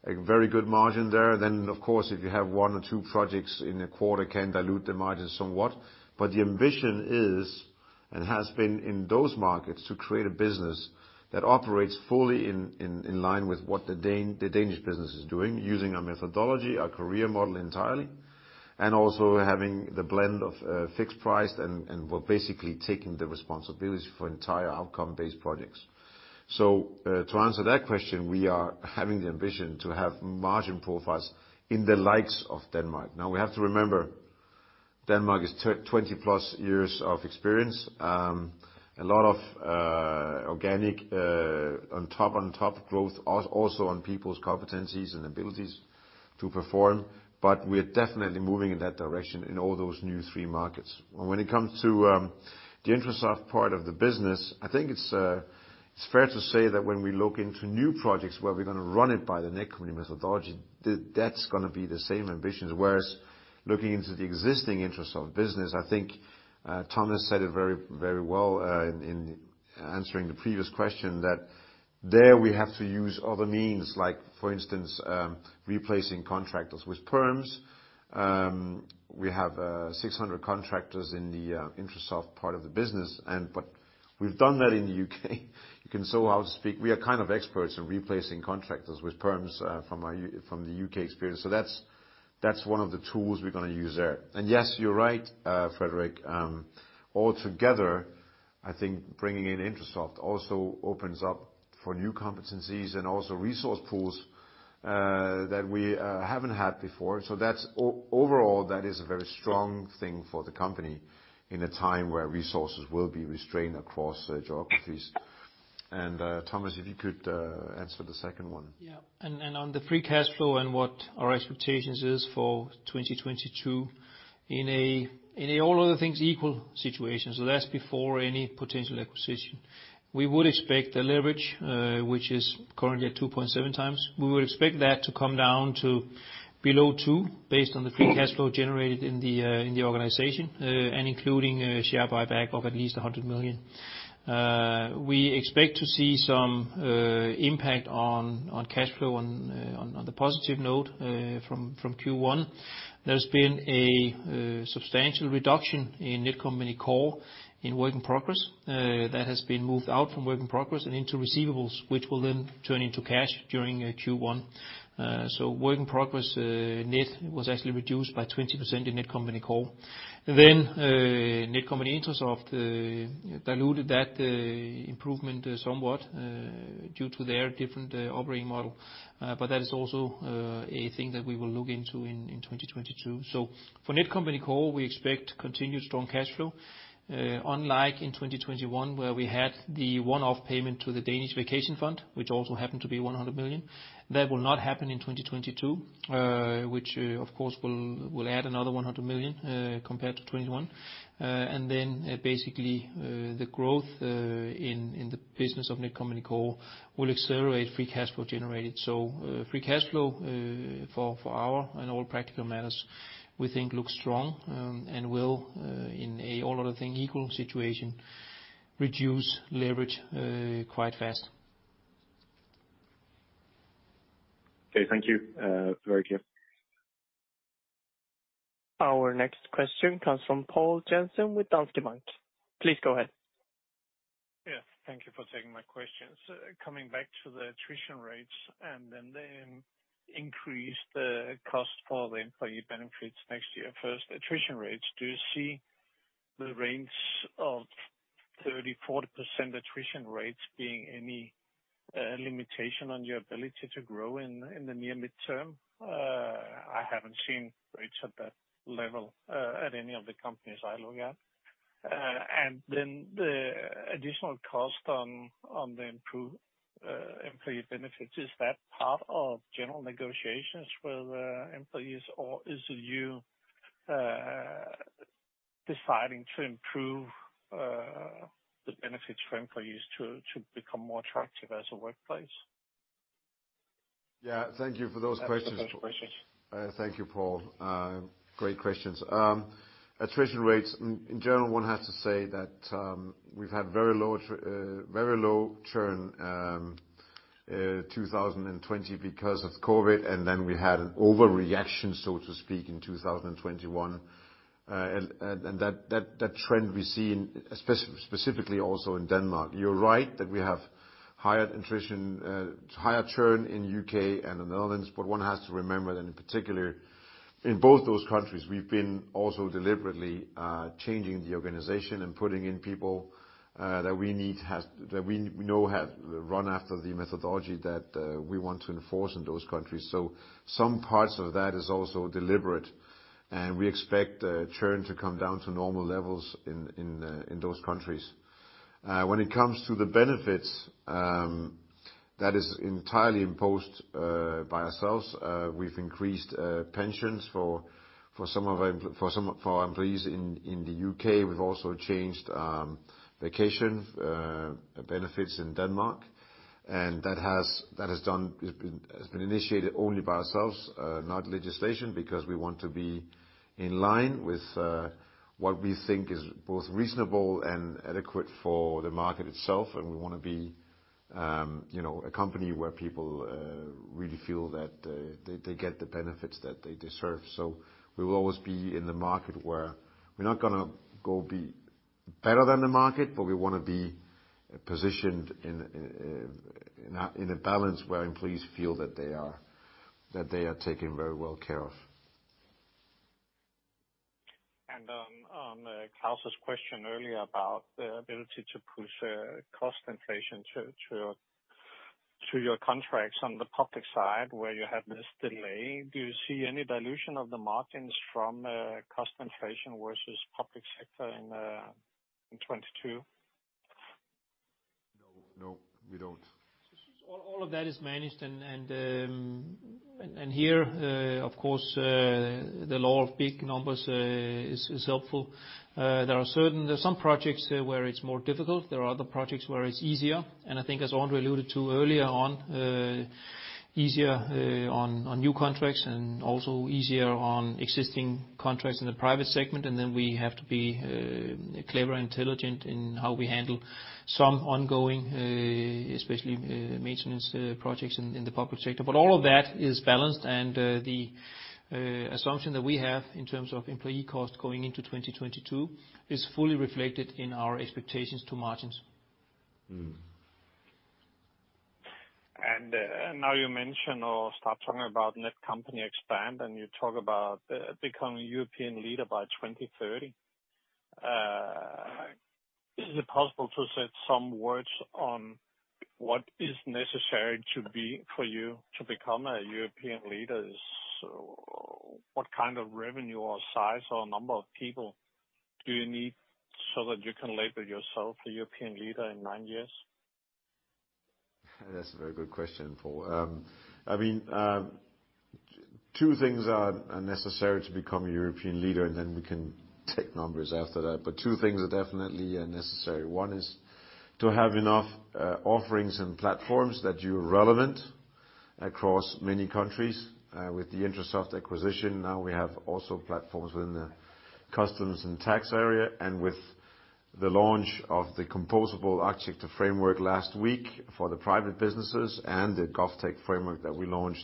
a very good margin there. Of course, if you have one or two projects in a quarter, can dilute the margins somewhat. The ambition is, and has been in those markets, to create a business that operates fully in line with what the Danish business is doing, using our methodology, our career model entirely. Also having the blend of fixed price and we're basically taking the responsibility for entire outcome-based projects. To answer that question, we are having the ambition to have margin profiles in the likes of Denmark. Now we have to remember, Denmark is 20+ years of experience. A lot of organic on top growth, also on people's competencies and abilities to perform. We're definitely moving in that direction in all those new three markets. When it comes to the INTRASOFT part of the business, I think it's fair to say that when we look into new projects where we're gonna run it by the Netcompany methodology, that's gonna be the same ambitions. Whereas looking into the existing INTRASOFT business, I think Thomas said it very well in answering the previous question, that there we have to use other means. For instance, replacing contractors with perms. We have 600 contractors in the Intrasoft part of the business, but we've done that in the U.K. You can, so to speak, we are kind of experts in replacing contractors with perms from the U.K. experience. That's one of the tools we're gonna use there. Yes, you're right, Frederic. Altogether, I think bringing in INTRASOFT also opens up for new competencies and also resource pools that we haven't had before. That's overall a very strong thing for the company in a time where resources will be restrained across geographies. Thomas, if you could answer the second one. On the free cash flow and what our expectations is for 2022, in an all other things equal situation, that's before any potential acquisition. We would expect the leverage, which is currently at 2.7x, to come down to below 2 based on the free cash flow generated in the organization. Including a share buyback of at least 100 million, we expect to see some impact on cash flow on the positive note from Q1. There's been a substantial reduction in Netcompany Core in work in progress that has been moved out from work in progress and into receivables, which will then turn into cash during Q1. Work in progress net was actually reduced by 20% in Netcompany Core. Netcompany-INTRASOFT diluted that improvement somewhat due to their different operating model. That is also a thing that we will look into in 2022. For Netcompany Core, we expect continued strong cash flow. Unlike in 2021, where we had the one-off payment to the Danish vacation fund, which also happened to be 100 million. That will not happen in 2022, which of course will add another 100 million compared to 2021. Basically, the growth in the business of Netcompany Core will accelerate free cash flow generated. Free cash flow, for all intents and purposes, we think looks strong and will, in an all other things equal situation, reduce leverage quite fast. Okay. Thank you. Very clear. Our next question comes from Poul Jessen with Danske Bank. Please go ahead. Thank you for taking my questions. Coming back to the attrition rates and then the increase in the cost for the employee benefits next year. First, attrition rates. Do you see the range of 30%-40% attrition rates being any limitation on your ability to grow in the near mid-term? I haven't seen rates at that level at any of the companies I look at. And then the additional cost on the improved employee benefits. Is that part of general negotiations with employees? Or is it you deciding to improve the benefits for employees to become more attractive as a workplace? Yeah. Thank you for those questions. That's the first question. Thank you, Poul. Great questions. Attrition rates. In general, one has to say that we've had very low churn. In 2020 because of COVID, and then we had an overreaction, so to speak, in 2021. That trend we see specifically also in Denmark. You're right that we have higher attrition, higher churn in U.K. and in the Netherlands. One has to remember that in particular, in both those countries, we've been also deliberately changing the organization and putting in people that we know have run after the methodology that we want to enforce in those countries. Some parts of that is also deliberate, and we expect the churn to come down to normal levels in those countries. When it comes to the benefits, that is entirely imposed by ourselves. We've increased pensions for some of our employees in the U.K. We've also changed vacation benefits in Denmark. That has been initiated only by ourselves, not legislation, because we want to be in line with what we think is both reasonable and adequate for the market itself. We wanna be, you know, a company where people really feel that they get the benefits that they deserve. We will always be in the market where we're not gonna go be better than the market, but we wanna be positioned in a balance where employees feel that they are taken very well care of. On Claus's question earlier about the ability to push cost inflation to your contracts on the public side where you have this delay. Do you see any dilution of the margins from cost inflation versus public sector in 2022? No, we don't. All of that is managed, and here, of course, the law of big numbers is helpful. There are some projects where it's more difficult, there are other projects where it's easier. I think as André alluded to earlier, easier on new contracts and also easier on existing contracts in the private segment. Then we have to be clever, intelligent in how we handle some ongoing, especially maintenance projects in the public sector. All of that is balanced, the assumption that we have in terms of employee costs going into 2022 is fully reflected in our expectations to margins. Mm. Now you mention or start talking about Netcompany Expand, and you talk about becoming a European leader by 2030. Is it possible to say some words on what is necessary to be for you to become a European leader? What kind of revenue or size or number of people do you need so that you can label yourself a European leader in nine years? That's a very good question, Paul. I mean, two things are necessary to become a European leader, and then we can take numbers after that. Two things are definitely necessary. One is to have enough offerings and platforms that you're relevant across many countries. With the Intrasoft acquisition, now we have also platforms within the customs and tax area, and with the launch of the Composable Enterprise Framework last week for the private businesses and the GovTech framework that we launched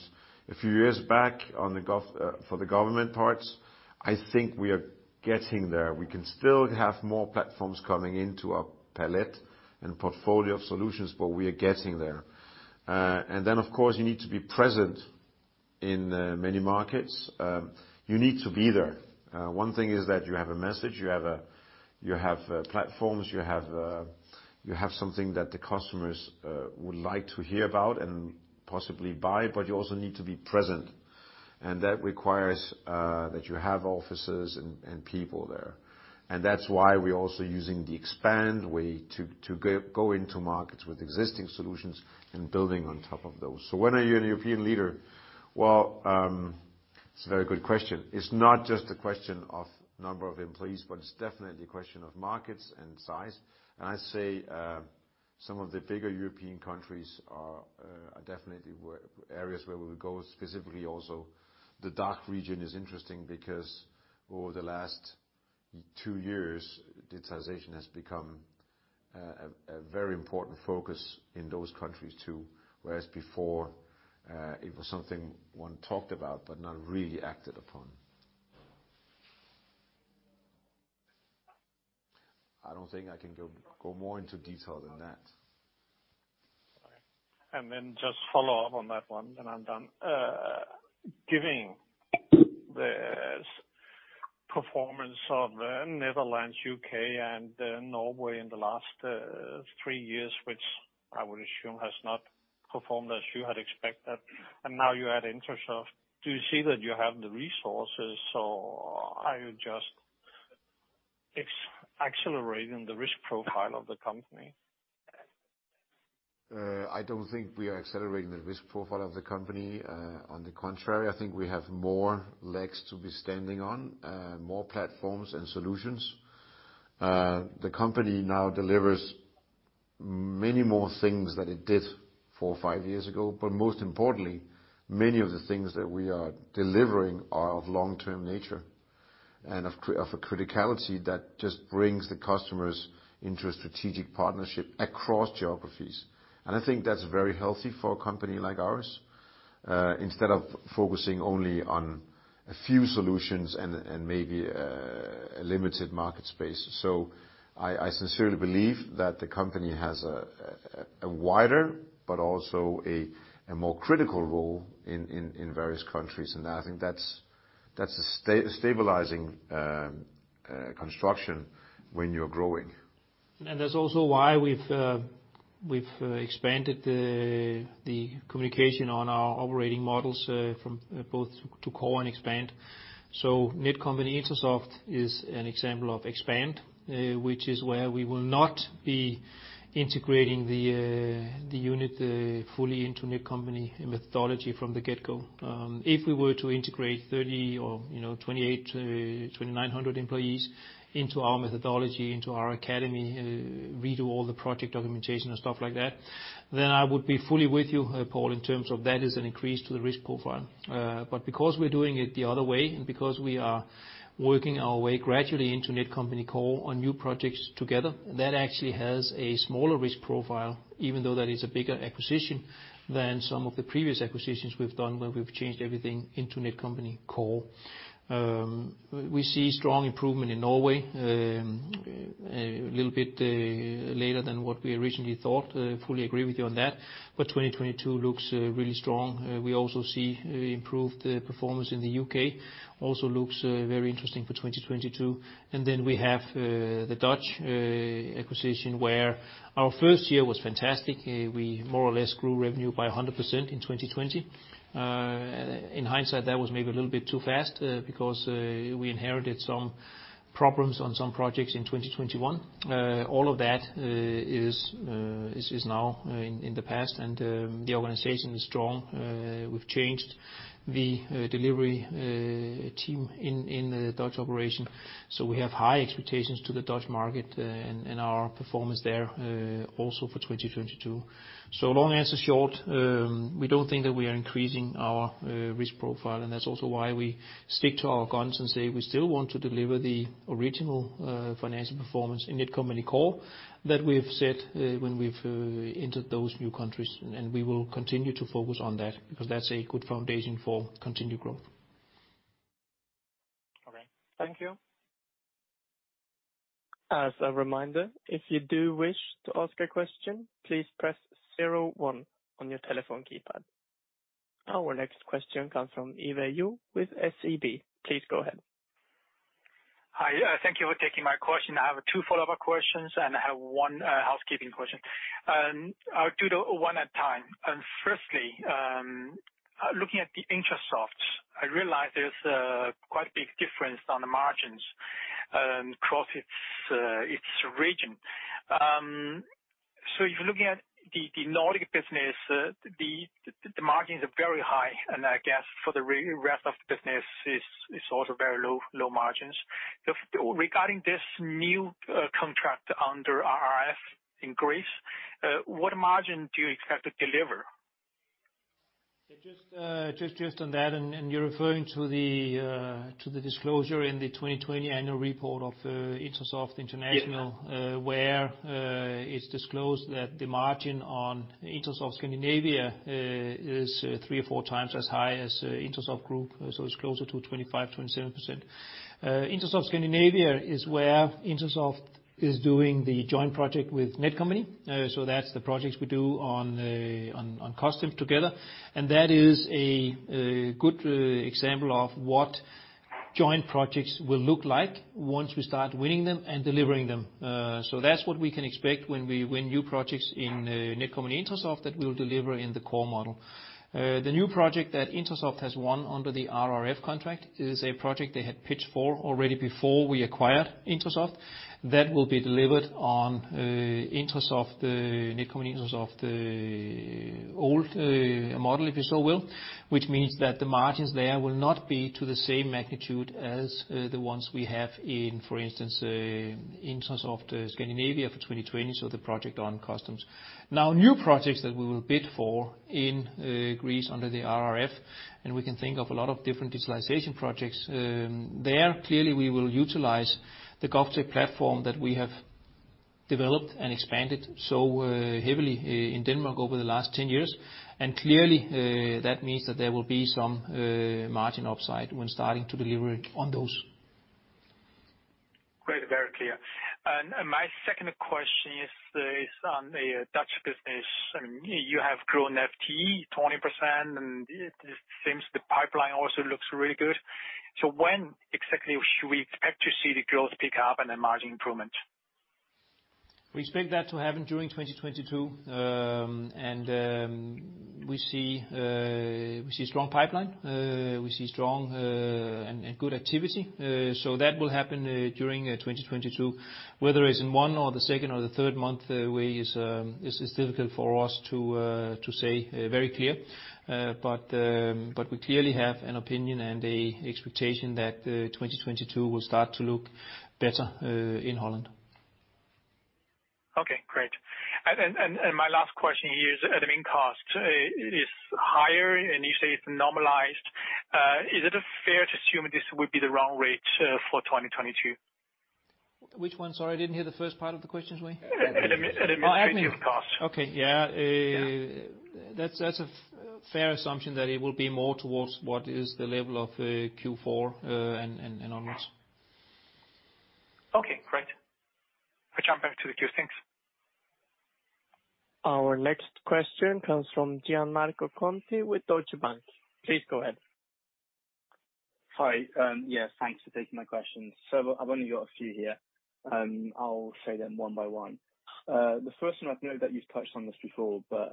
a few years back on the gov for the government parts. I think we are getting there. We can still have more platforms coming into our palette and portfolio of solutions, but we are getting there. Of course, you need to be present in many markets. You need to be there. One thing is that you have a message, you have platforms, you have something that the customers would like to hear about and possibly buy, but you also need to be present. That requires that you have offices and people there. That's why we're also using the Expand way to go into markets with existing solutions and building on top of those. So when are you a European leader? Well, it's a very good question. It's not just a question of number of employees, but it's definitely a question of markets and size. I say some of the bigger European countries are definitely areas where we will go. Specifically also the DACH region is interesting because over the last two years, digitalization has become a very important focus in those countries too. Whereas before, it was something one talked about but not really acted upon. I don't think I can go more into detail than that. All right. Just follow up on that one, and I'm done. Given the performance of the Netherlands, U.K. and Norway in the last three years, which I would assume has not performed as you had expected, and now you add Intrasoft. Do you see that you have the resources or are you just accelerating the risk profile of the company? I don't think we are accelerating the risk profile of the company. On the contrary, I think we have more legs to be standing on, more platforms and solutions. The company now delivers many more things than it did four or five years ago, but most importantly, many of the things that we are delivering are of long-term nature and of a criticality that just brings the customers into a strategic partnership across geographies. I think that's very healthy for a company like ours, instead of focusing only on a few solutions and maybe a limited market space. I sincerely believe that the company has a wider but also a more critical role in various countries. I think that's a stabilizing construction when you're growing. That's also why we've expanded the communication on our operating models from both to Core and Expand. Netcompany-INTRASOFT is an example of Expand, which is where we will not be integrating the unit fully into Netcompany methodology from the get-go. If we were to integrate 3,000 or, you know, 2,800-2,900 employees into our methodology, into our academy, redo all the project documentation and stuff like that, then I would be fully with you, Paul, in terms of that is an increase to the risk profile. Because we're doing it the other way, and because we are working our way gradually into Netcompany Core on new projects together, that actually has a smaller risk profile even though that is a bigger acquisition than some of the previous acquisitions we've done where we've changed everything into Netcompany Core. We see strong improvement in Norway, a little bit later than what we originally thought. Fully agree with you on that. 2022 looks really strong. We also see improved performance in the U.K., also looks very interesting for 2022. Then we have the Dutch acquisition, where our first year was fantastic. We more or less grew revenue by 100% in 2020. In hindsight, that was maybe a little bit too fast, because we inherited some problems on some projects in 2021. All of that is now in the past and the organization is strong. We've changed the delivery team in the Dutch operation, so we have high expectations to the Dutch market and our performance there also for 2022. Long answer short, we don't think that we are increasing our risk profile, and that's also why we stick to our guns and say we still want to deliver the original financial performance in Netcompany Core that we've set when we've entered those new countries. We will continue to focus on that because that's a good foundation for continued growth. All right. Thank you. As a reminder, if you do wish to ask a question, please press 01 on your telephone keypad. Our next question comes from Yiwei Zhou with SEB. Please go ahead. Hi. Thank you for taking my question. I have two follow-up questions, and I have one housekeeping question. I'll do them one at a time. First, looking at INTRASOFT, I realize there's quite a big difference in the margins across its regions. So if you're looking at the Nordic business, the margins are very high, and I guess for the rest of the business it's also very low margins. Regarding this new contract under RRF in Greece, what margin do you expect to deliver? Just on that, and you're referring to the disclosure in the 2020 annual report of INTRASOFT International. Yeah where it's disclosed that the margin on INTRASOFT Scandinavia is three or four times as high as INTRASOFT Group, so it's closer to 25%-27%. INTRASOFT Scandinavia is where INTRASOFT is doing the joint project with Netcompany. That's the projects we do on customs together. That is a good example of what joint projects will look like once we start winning them and delivering them. That's what we can expect when we win new projects in Netcompany-INTRASOFT that we'll deliver in the core model. The new project that INTRASOFT has won under the RRF contract is a project they had pitched for already before we acquired INTRASOFT. That will be delivered on INTRASOFTt, Netcompany-INTRASOFT old model, if you will, which means that the margins there will not be to the same magnitude as the ones we have in, for instance, INTRASOFT Scandinavia for 2020, such as the project on customs. New projects that we will bid for in Greece under the RRF, and we can think of a lot of different digitalization projects there, clearly we will utilize the GovTech platform that we have developed and expanded so heavily in Denmark over the last 10 years. Clearly, that means that there will be some margin upside when starting to deliver on those. Great. Very clear. My second question is on the Dutch business. I mean, you have grown FTE 20% and it seems the pipeline also looks really good. When exactly should we expect to see the growth pick up and the margin improvement? We expect that to happen during 2022. We see strong pipeline. We see strong and good activity. That will happen during 2022. Whether it's in one or the second or the third month, this is difficult for us to say very clear. We clearly have an opinion and a expectation that 2022 will start to look better in Holland. Okay, great. My last question here is admin cost. It is higher, and you say it's normalized. Is it fair to assume this would be the run rate for 2022? Which one? Sorry, I didn't hear the first part of the question, Wei. Admin cost. Oh, and then. Okay. Yeah. That's a fair assumption that it will be more towards what is the level of Q4 and onwards. Okay, great. I jump back to the queue. Thanks. Our next question comes from Gianmarco Conti with Deutsche Bank. Please go ahead. Hi. Yes, thanks for taking my question. I've only got a few here. I'll say them one by one. The first one I've noted that you've touched on this before, but,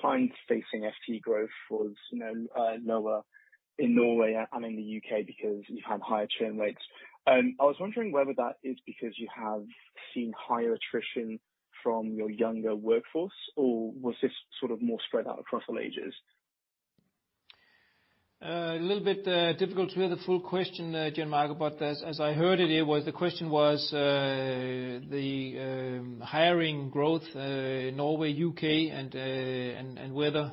clients facing FTE growth was, you know, lower in Norway and in the U.K. because you've had higher churn rates. I was wondering whether that is because you have seen higher attrition from your younger workforce, or was this sort of more spread out across all ages? A little bit difficult to hear the full question, Gianmarco. But as I heard it was the question was the hiring growth in Norway, U.K., and whether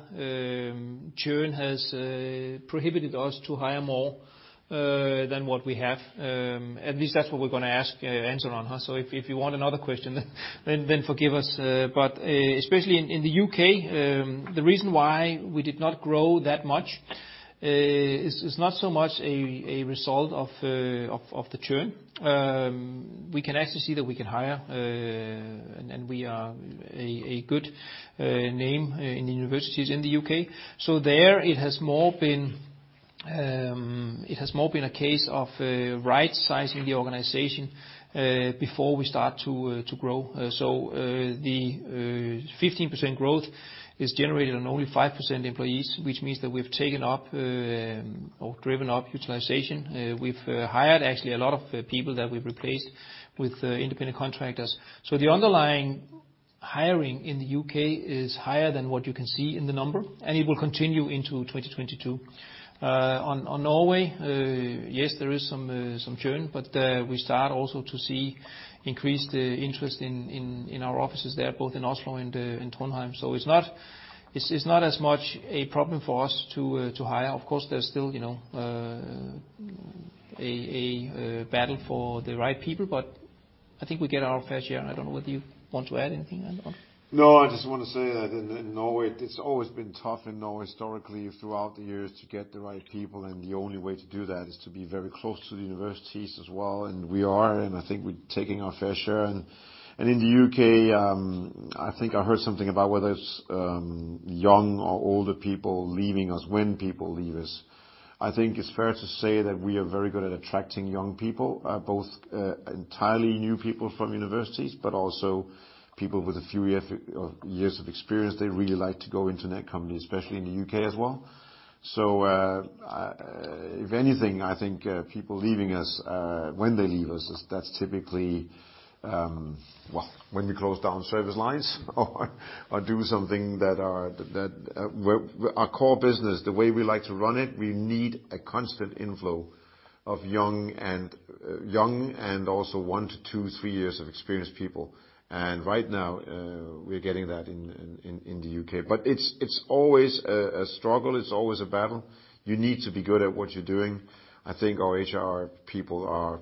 churn has prohibited us to hire more than what we have. At least that's what we're gonna answer on. If you want another question, then forgive us. Especially in the U.K., the reason why we did not grow that much is not so much a result of the churn. We can actually see that we can hire and we are a good name in the universities in the U.K. It has more been a case of right-sizing the organization before we start to grow. The 15% growth is generated on only 5% employees, which means that we've taken up or driven up utilization. We've hired actually a lot of people that we've replaced with independent contractors. The underlying hiring in the U.K. is higher than what you can see in the number, and it will continue into 2022. On Norway, there is some churn, but we start also to see increased interest in our offices there, both in Oslo and in Trondheim. It's not as much a problem for us to hire. Of course, there's still, you know, a battle for the right people, but I think we get our fair share. I don't know whether you want to add anything, André? No, I just want to say that in Norway, it's always been tough in Norway historically throughout the years to get the right people, and the only way to do that is to be very close to the universities as well. We are, and I think we're taking our fair share. In the U.K., I think I heard something about whether it's young or older people leaving us when people leave us. I think it's fair to say that we are very good at attracting young people, both entirely new people from universities, but also people with a few years of experience. They really like to go into Netcompany, especially in the U.K. as well. If anything, I think people leaving us when they leave us, that's typically well, when we close down service lines or do something that our core business, the way we like to run it, we need a constant inflow of young and also one to two, three years of experienced people. Right now, we're getting that in the U.K. It's always a struggle. It's always a battle. You need to be good at what you're doing. I think our HR people are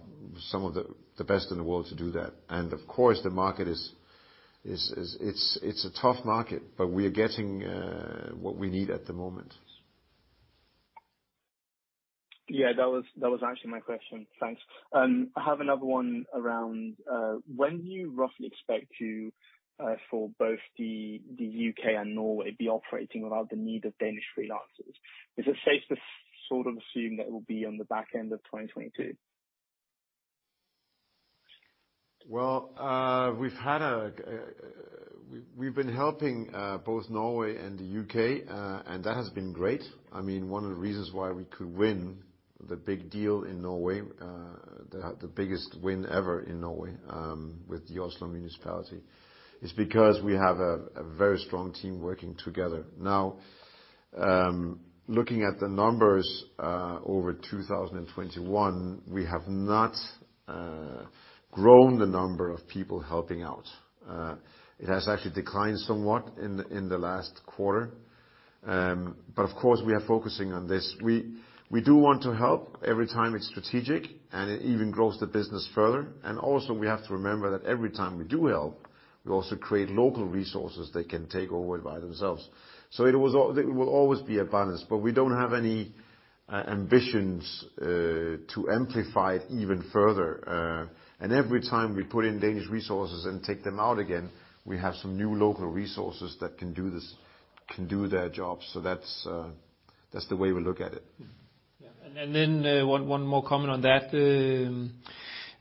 some of the best in the world to do that. Of course, the market is a tough market, but we are getting what we need at the moment. Yeah, that was actually my question. Thanks. I have another one around when do you roughly expect to for both the U.K. and Norway be operating without the need of Danish freelancers? Is it safe to sort of assume that it will be on the back end of 2022? We've been helping both Norway and the U.K., and that has been great. I mean, one of the reasons why we could win the big deal in Norway, the biggest win ever in Norway, with the Oslo Municipality, is because we have a very strong team working together. Now, looking at the numbers, over 2021, we have not grown the number of people helping out. It has actually declined somewhat in the last quarter. Of course, we are focusing on this. We do want to help every time it's strategic, and it even grows the business further. Also, we have to remember that every time we do help, we also create local resources that can take over by themselves. It will always be a balance, but we don't have any ambitions to amplify it even further. Every time we put in Danish resources and take them out again, we have some new local resources that can do this, can do their jobs. That's the way we look at it. One more comment on that.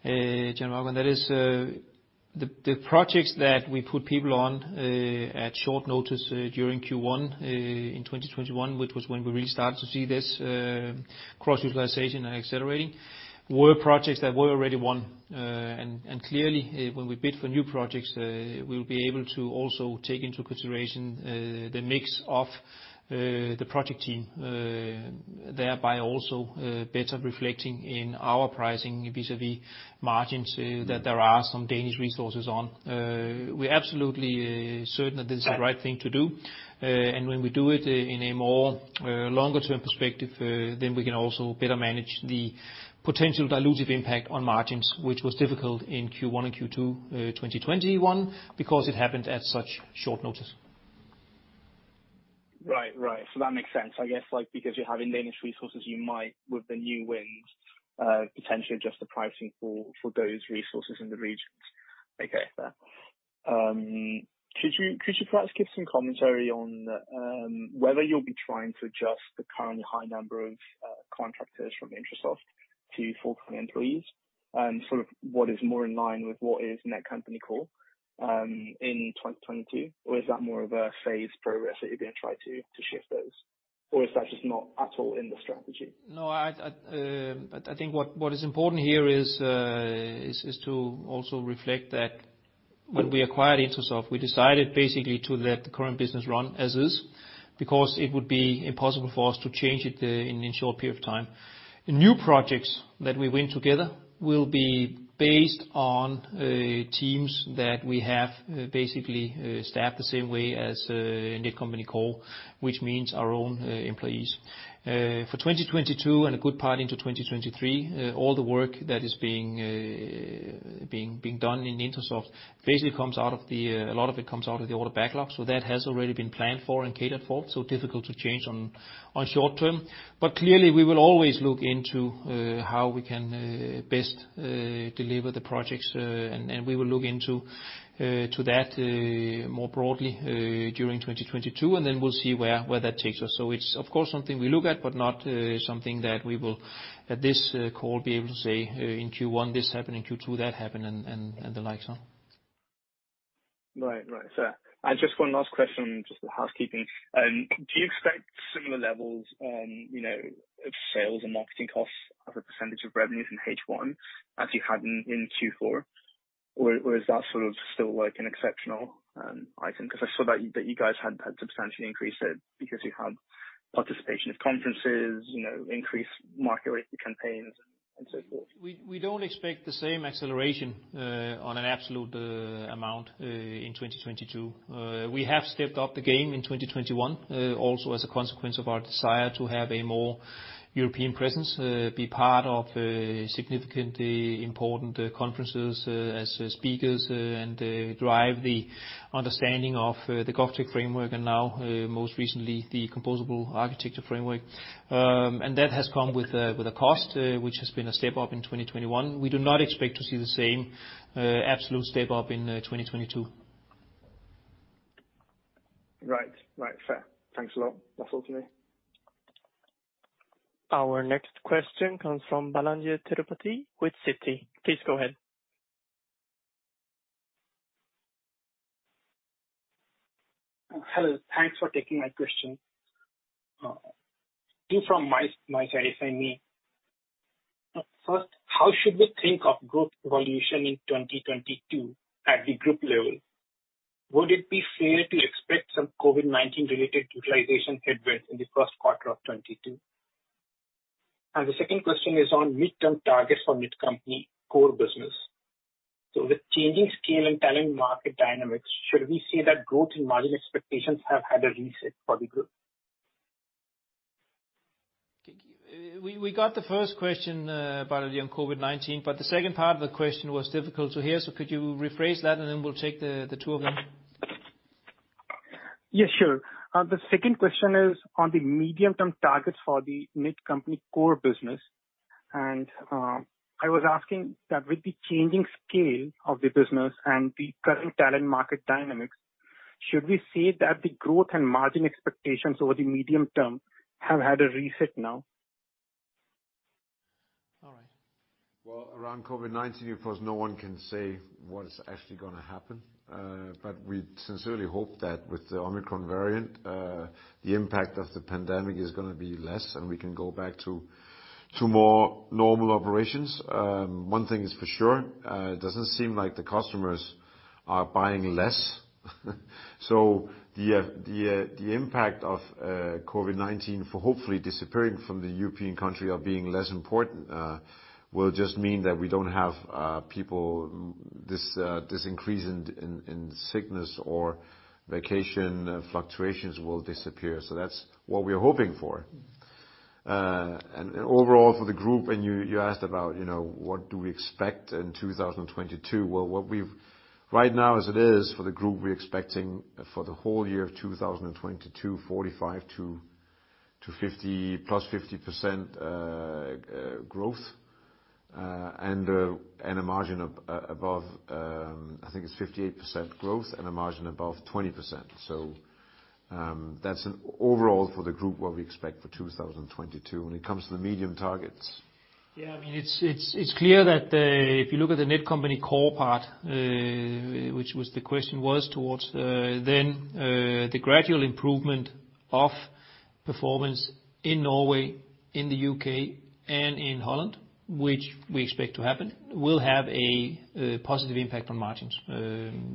Gianmarco Conti, and that is, the projects that we put people on at short notice during Q1 in 2021, which was when we really started to see this cross utilization and accelerating, were projects that were already won. Clearly when we bid for new projects, we'll be able to also take into consideration the mix of the project team, thereby also better reflecting in our pricing vis-à-vis margins that there are some Danish resources on. We are absolutely certain that this is the right thing to do. When we do it in a more longer term perspective, then we can also better manage the potential dilutive impact on margins, which was difficult in Q1 and Q2, 2021 because it happened at such short notice. Right. Right. That makes sense. I guess, like, because you're having Danish resources, you might with the new wins potentially adjust the pricing for those resources in the regions. Okay. Fair. Could you perhaps give some commentary on whether you'll be trying to adjust the currently high number of contractors from Intrasoft to full-time employees and sort of what is more in line with what is Netcompany call in 2022? Is that more of a phased progress that you're gonna try to shift those? Is that just not at all in the strategy? No, I think what is important here is to also reflect that when we acquired Intrasoft, we decided basically to let the current business run as is because it would be impossible for us to change it in a short period of time. New projects that we win together will be based on teams that we have basically staffed the same way as Netcompany Core, which means our own employees. For 2022 and a good part into 2023, all the work that is being done in Intrasoft basically comes out of the order backlog, a lot of it comes out of the order backlog, so that has already been planned for and catered for, so difficult to change on short-term. Clearly, we will always look into how we can best deliver the projects, and we will look into that more broadly during 2022, and then we'll see where that takes us. It's of course something we look at, but not something that we will at this call be able to say in Q1 this happened, in Q2 that happened and the like so. Right. Just one last question, just for housekeeping. Do you expect similar levels on, you know, of sales and marketing costs as a percentage of revenues in H1 as you had in Q4? Or is that sort of still like an exceptional item? 'Cause I saw that you guys had substantially increased it because you had participation in conferences, you know, increased marketing campaigns and so forth. We don't expect the same acceleration on an absolute amount in 2022. We have stepped up the game in 2021, also as a consequence of our desire to have a more European presence, be part of significantly important conferences as speakers, and drive the understanding of the GovTech framework and now, most recently, the Composable Enterprise Framework. That has come with a cost, which has been a step up in 2021. We do not expect to see the same absolute step up in 2022. Right. Right. Fair. Thanks a lot. That's all for me. Our next question comes from Balajee Tirupati with Citi. Please go ahead. Hello. Thanks for taking my question. Two from my side if I may. First, how should we think of growth evolution in 2022 at the group level? Would it be fair to expect some COVID-19 related utilization headwinds in the first quarter of 2022? The second question is on midterm targets for Netcompany Core business. With changing scale and talent market dynamics, should we say that growth and margin expectations have had a reset for the group? Thank you. We got the first question, Balajee, on COVID-19, but the second part of the question was difficult to hear, so could you rephrase that and then we'll take the two of them? Yes, sure. The second question is on the medium-term targets for the Netcompany Core business. I was asking that with the changing scale of the business and the current talent market dynamics, should we say that the growth and margin expectations over the medium term have had a reset now? All right. Well, around COVID-19, of course, no one can say what's actually gonna happen. We sincerely hope that with the Omicron variant, the impact of the pandemic is gonna be less, and we can go back to more normal operations. One thing is for sure, it doesn't seem like the customers are buying less. The impact of COVID-19 hopefully disappearing from the European country or being less important will just mean that we don't have this increase in sickness or vacation fluctuations will disappear. That's what we're hoping for. Overall for the group, you asked about, you know, what do we expect in 2022. Well, what we've... Right now as it is for the group, we're expecting for the whole year of 2022 45% to 50%, +50% growth, and a margin above, I think it's 58% growth and a margin above 20%. That's an overall for the group what we expect for 2022 when it comes to the medium targets. Yeah, I mean, it's clear that if you look at the Netcompany Core part, which the question was towards, then the gradual improvement of performance in Norway, in the U.K. and in Holland, which we expect to happen, will have a positive impact on margins.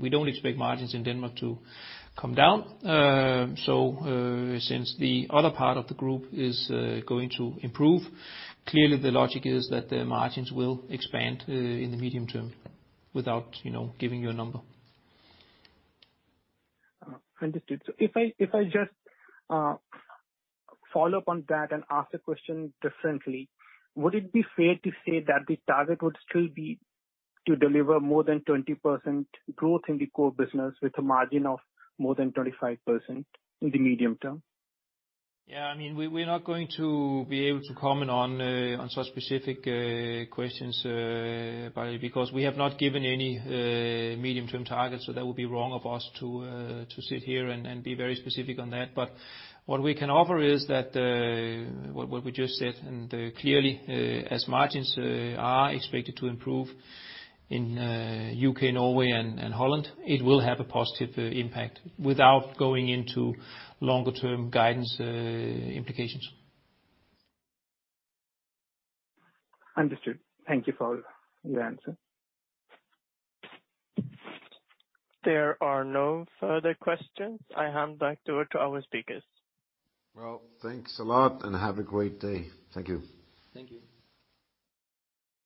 We don't expect margins in Denmark to come down. Since the other part of the group is going to improve, clearly the logic is that the margins will expand in the medium term without, you know, giving you a number. Understood. If I just follow up on that and ask the question differently, would it be fair to say that the target would still be to deliver more than 20% growth in the core business with a margin of more than 35% in the medium term? Yeah. I mean, we are not going to be able to comment on such specific questions, Balandier, because we have not given any medium-term targets, so that would be wrong of us to sit here and be very specific on that. What we can offer is that what we just said, and clearly, as margins are expected to improve in U.K., Norway and Holland, it will have a positive impact without going into longer term guidance implications. Understood. Thank you for your answer. There are no further questions. I hand back over to our speakers. Well, thanks a lot, and have a great day. Thank you. Thank you.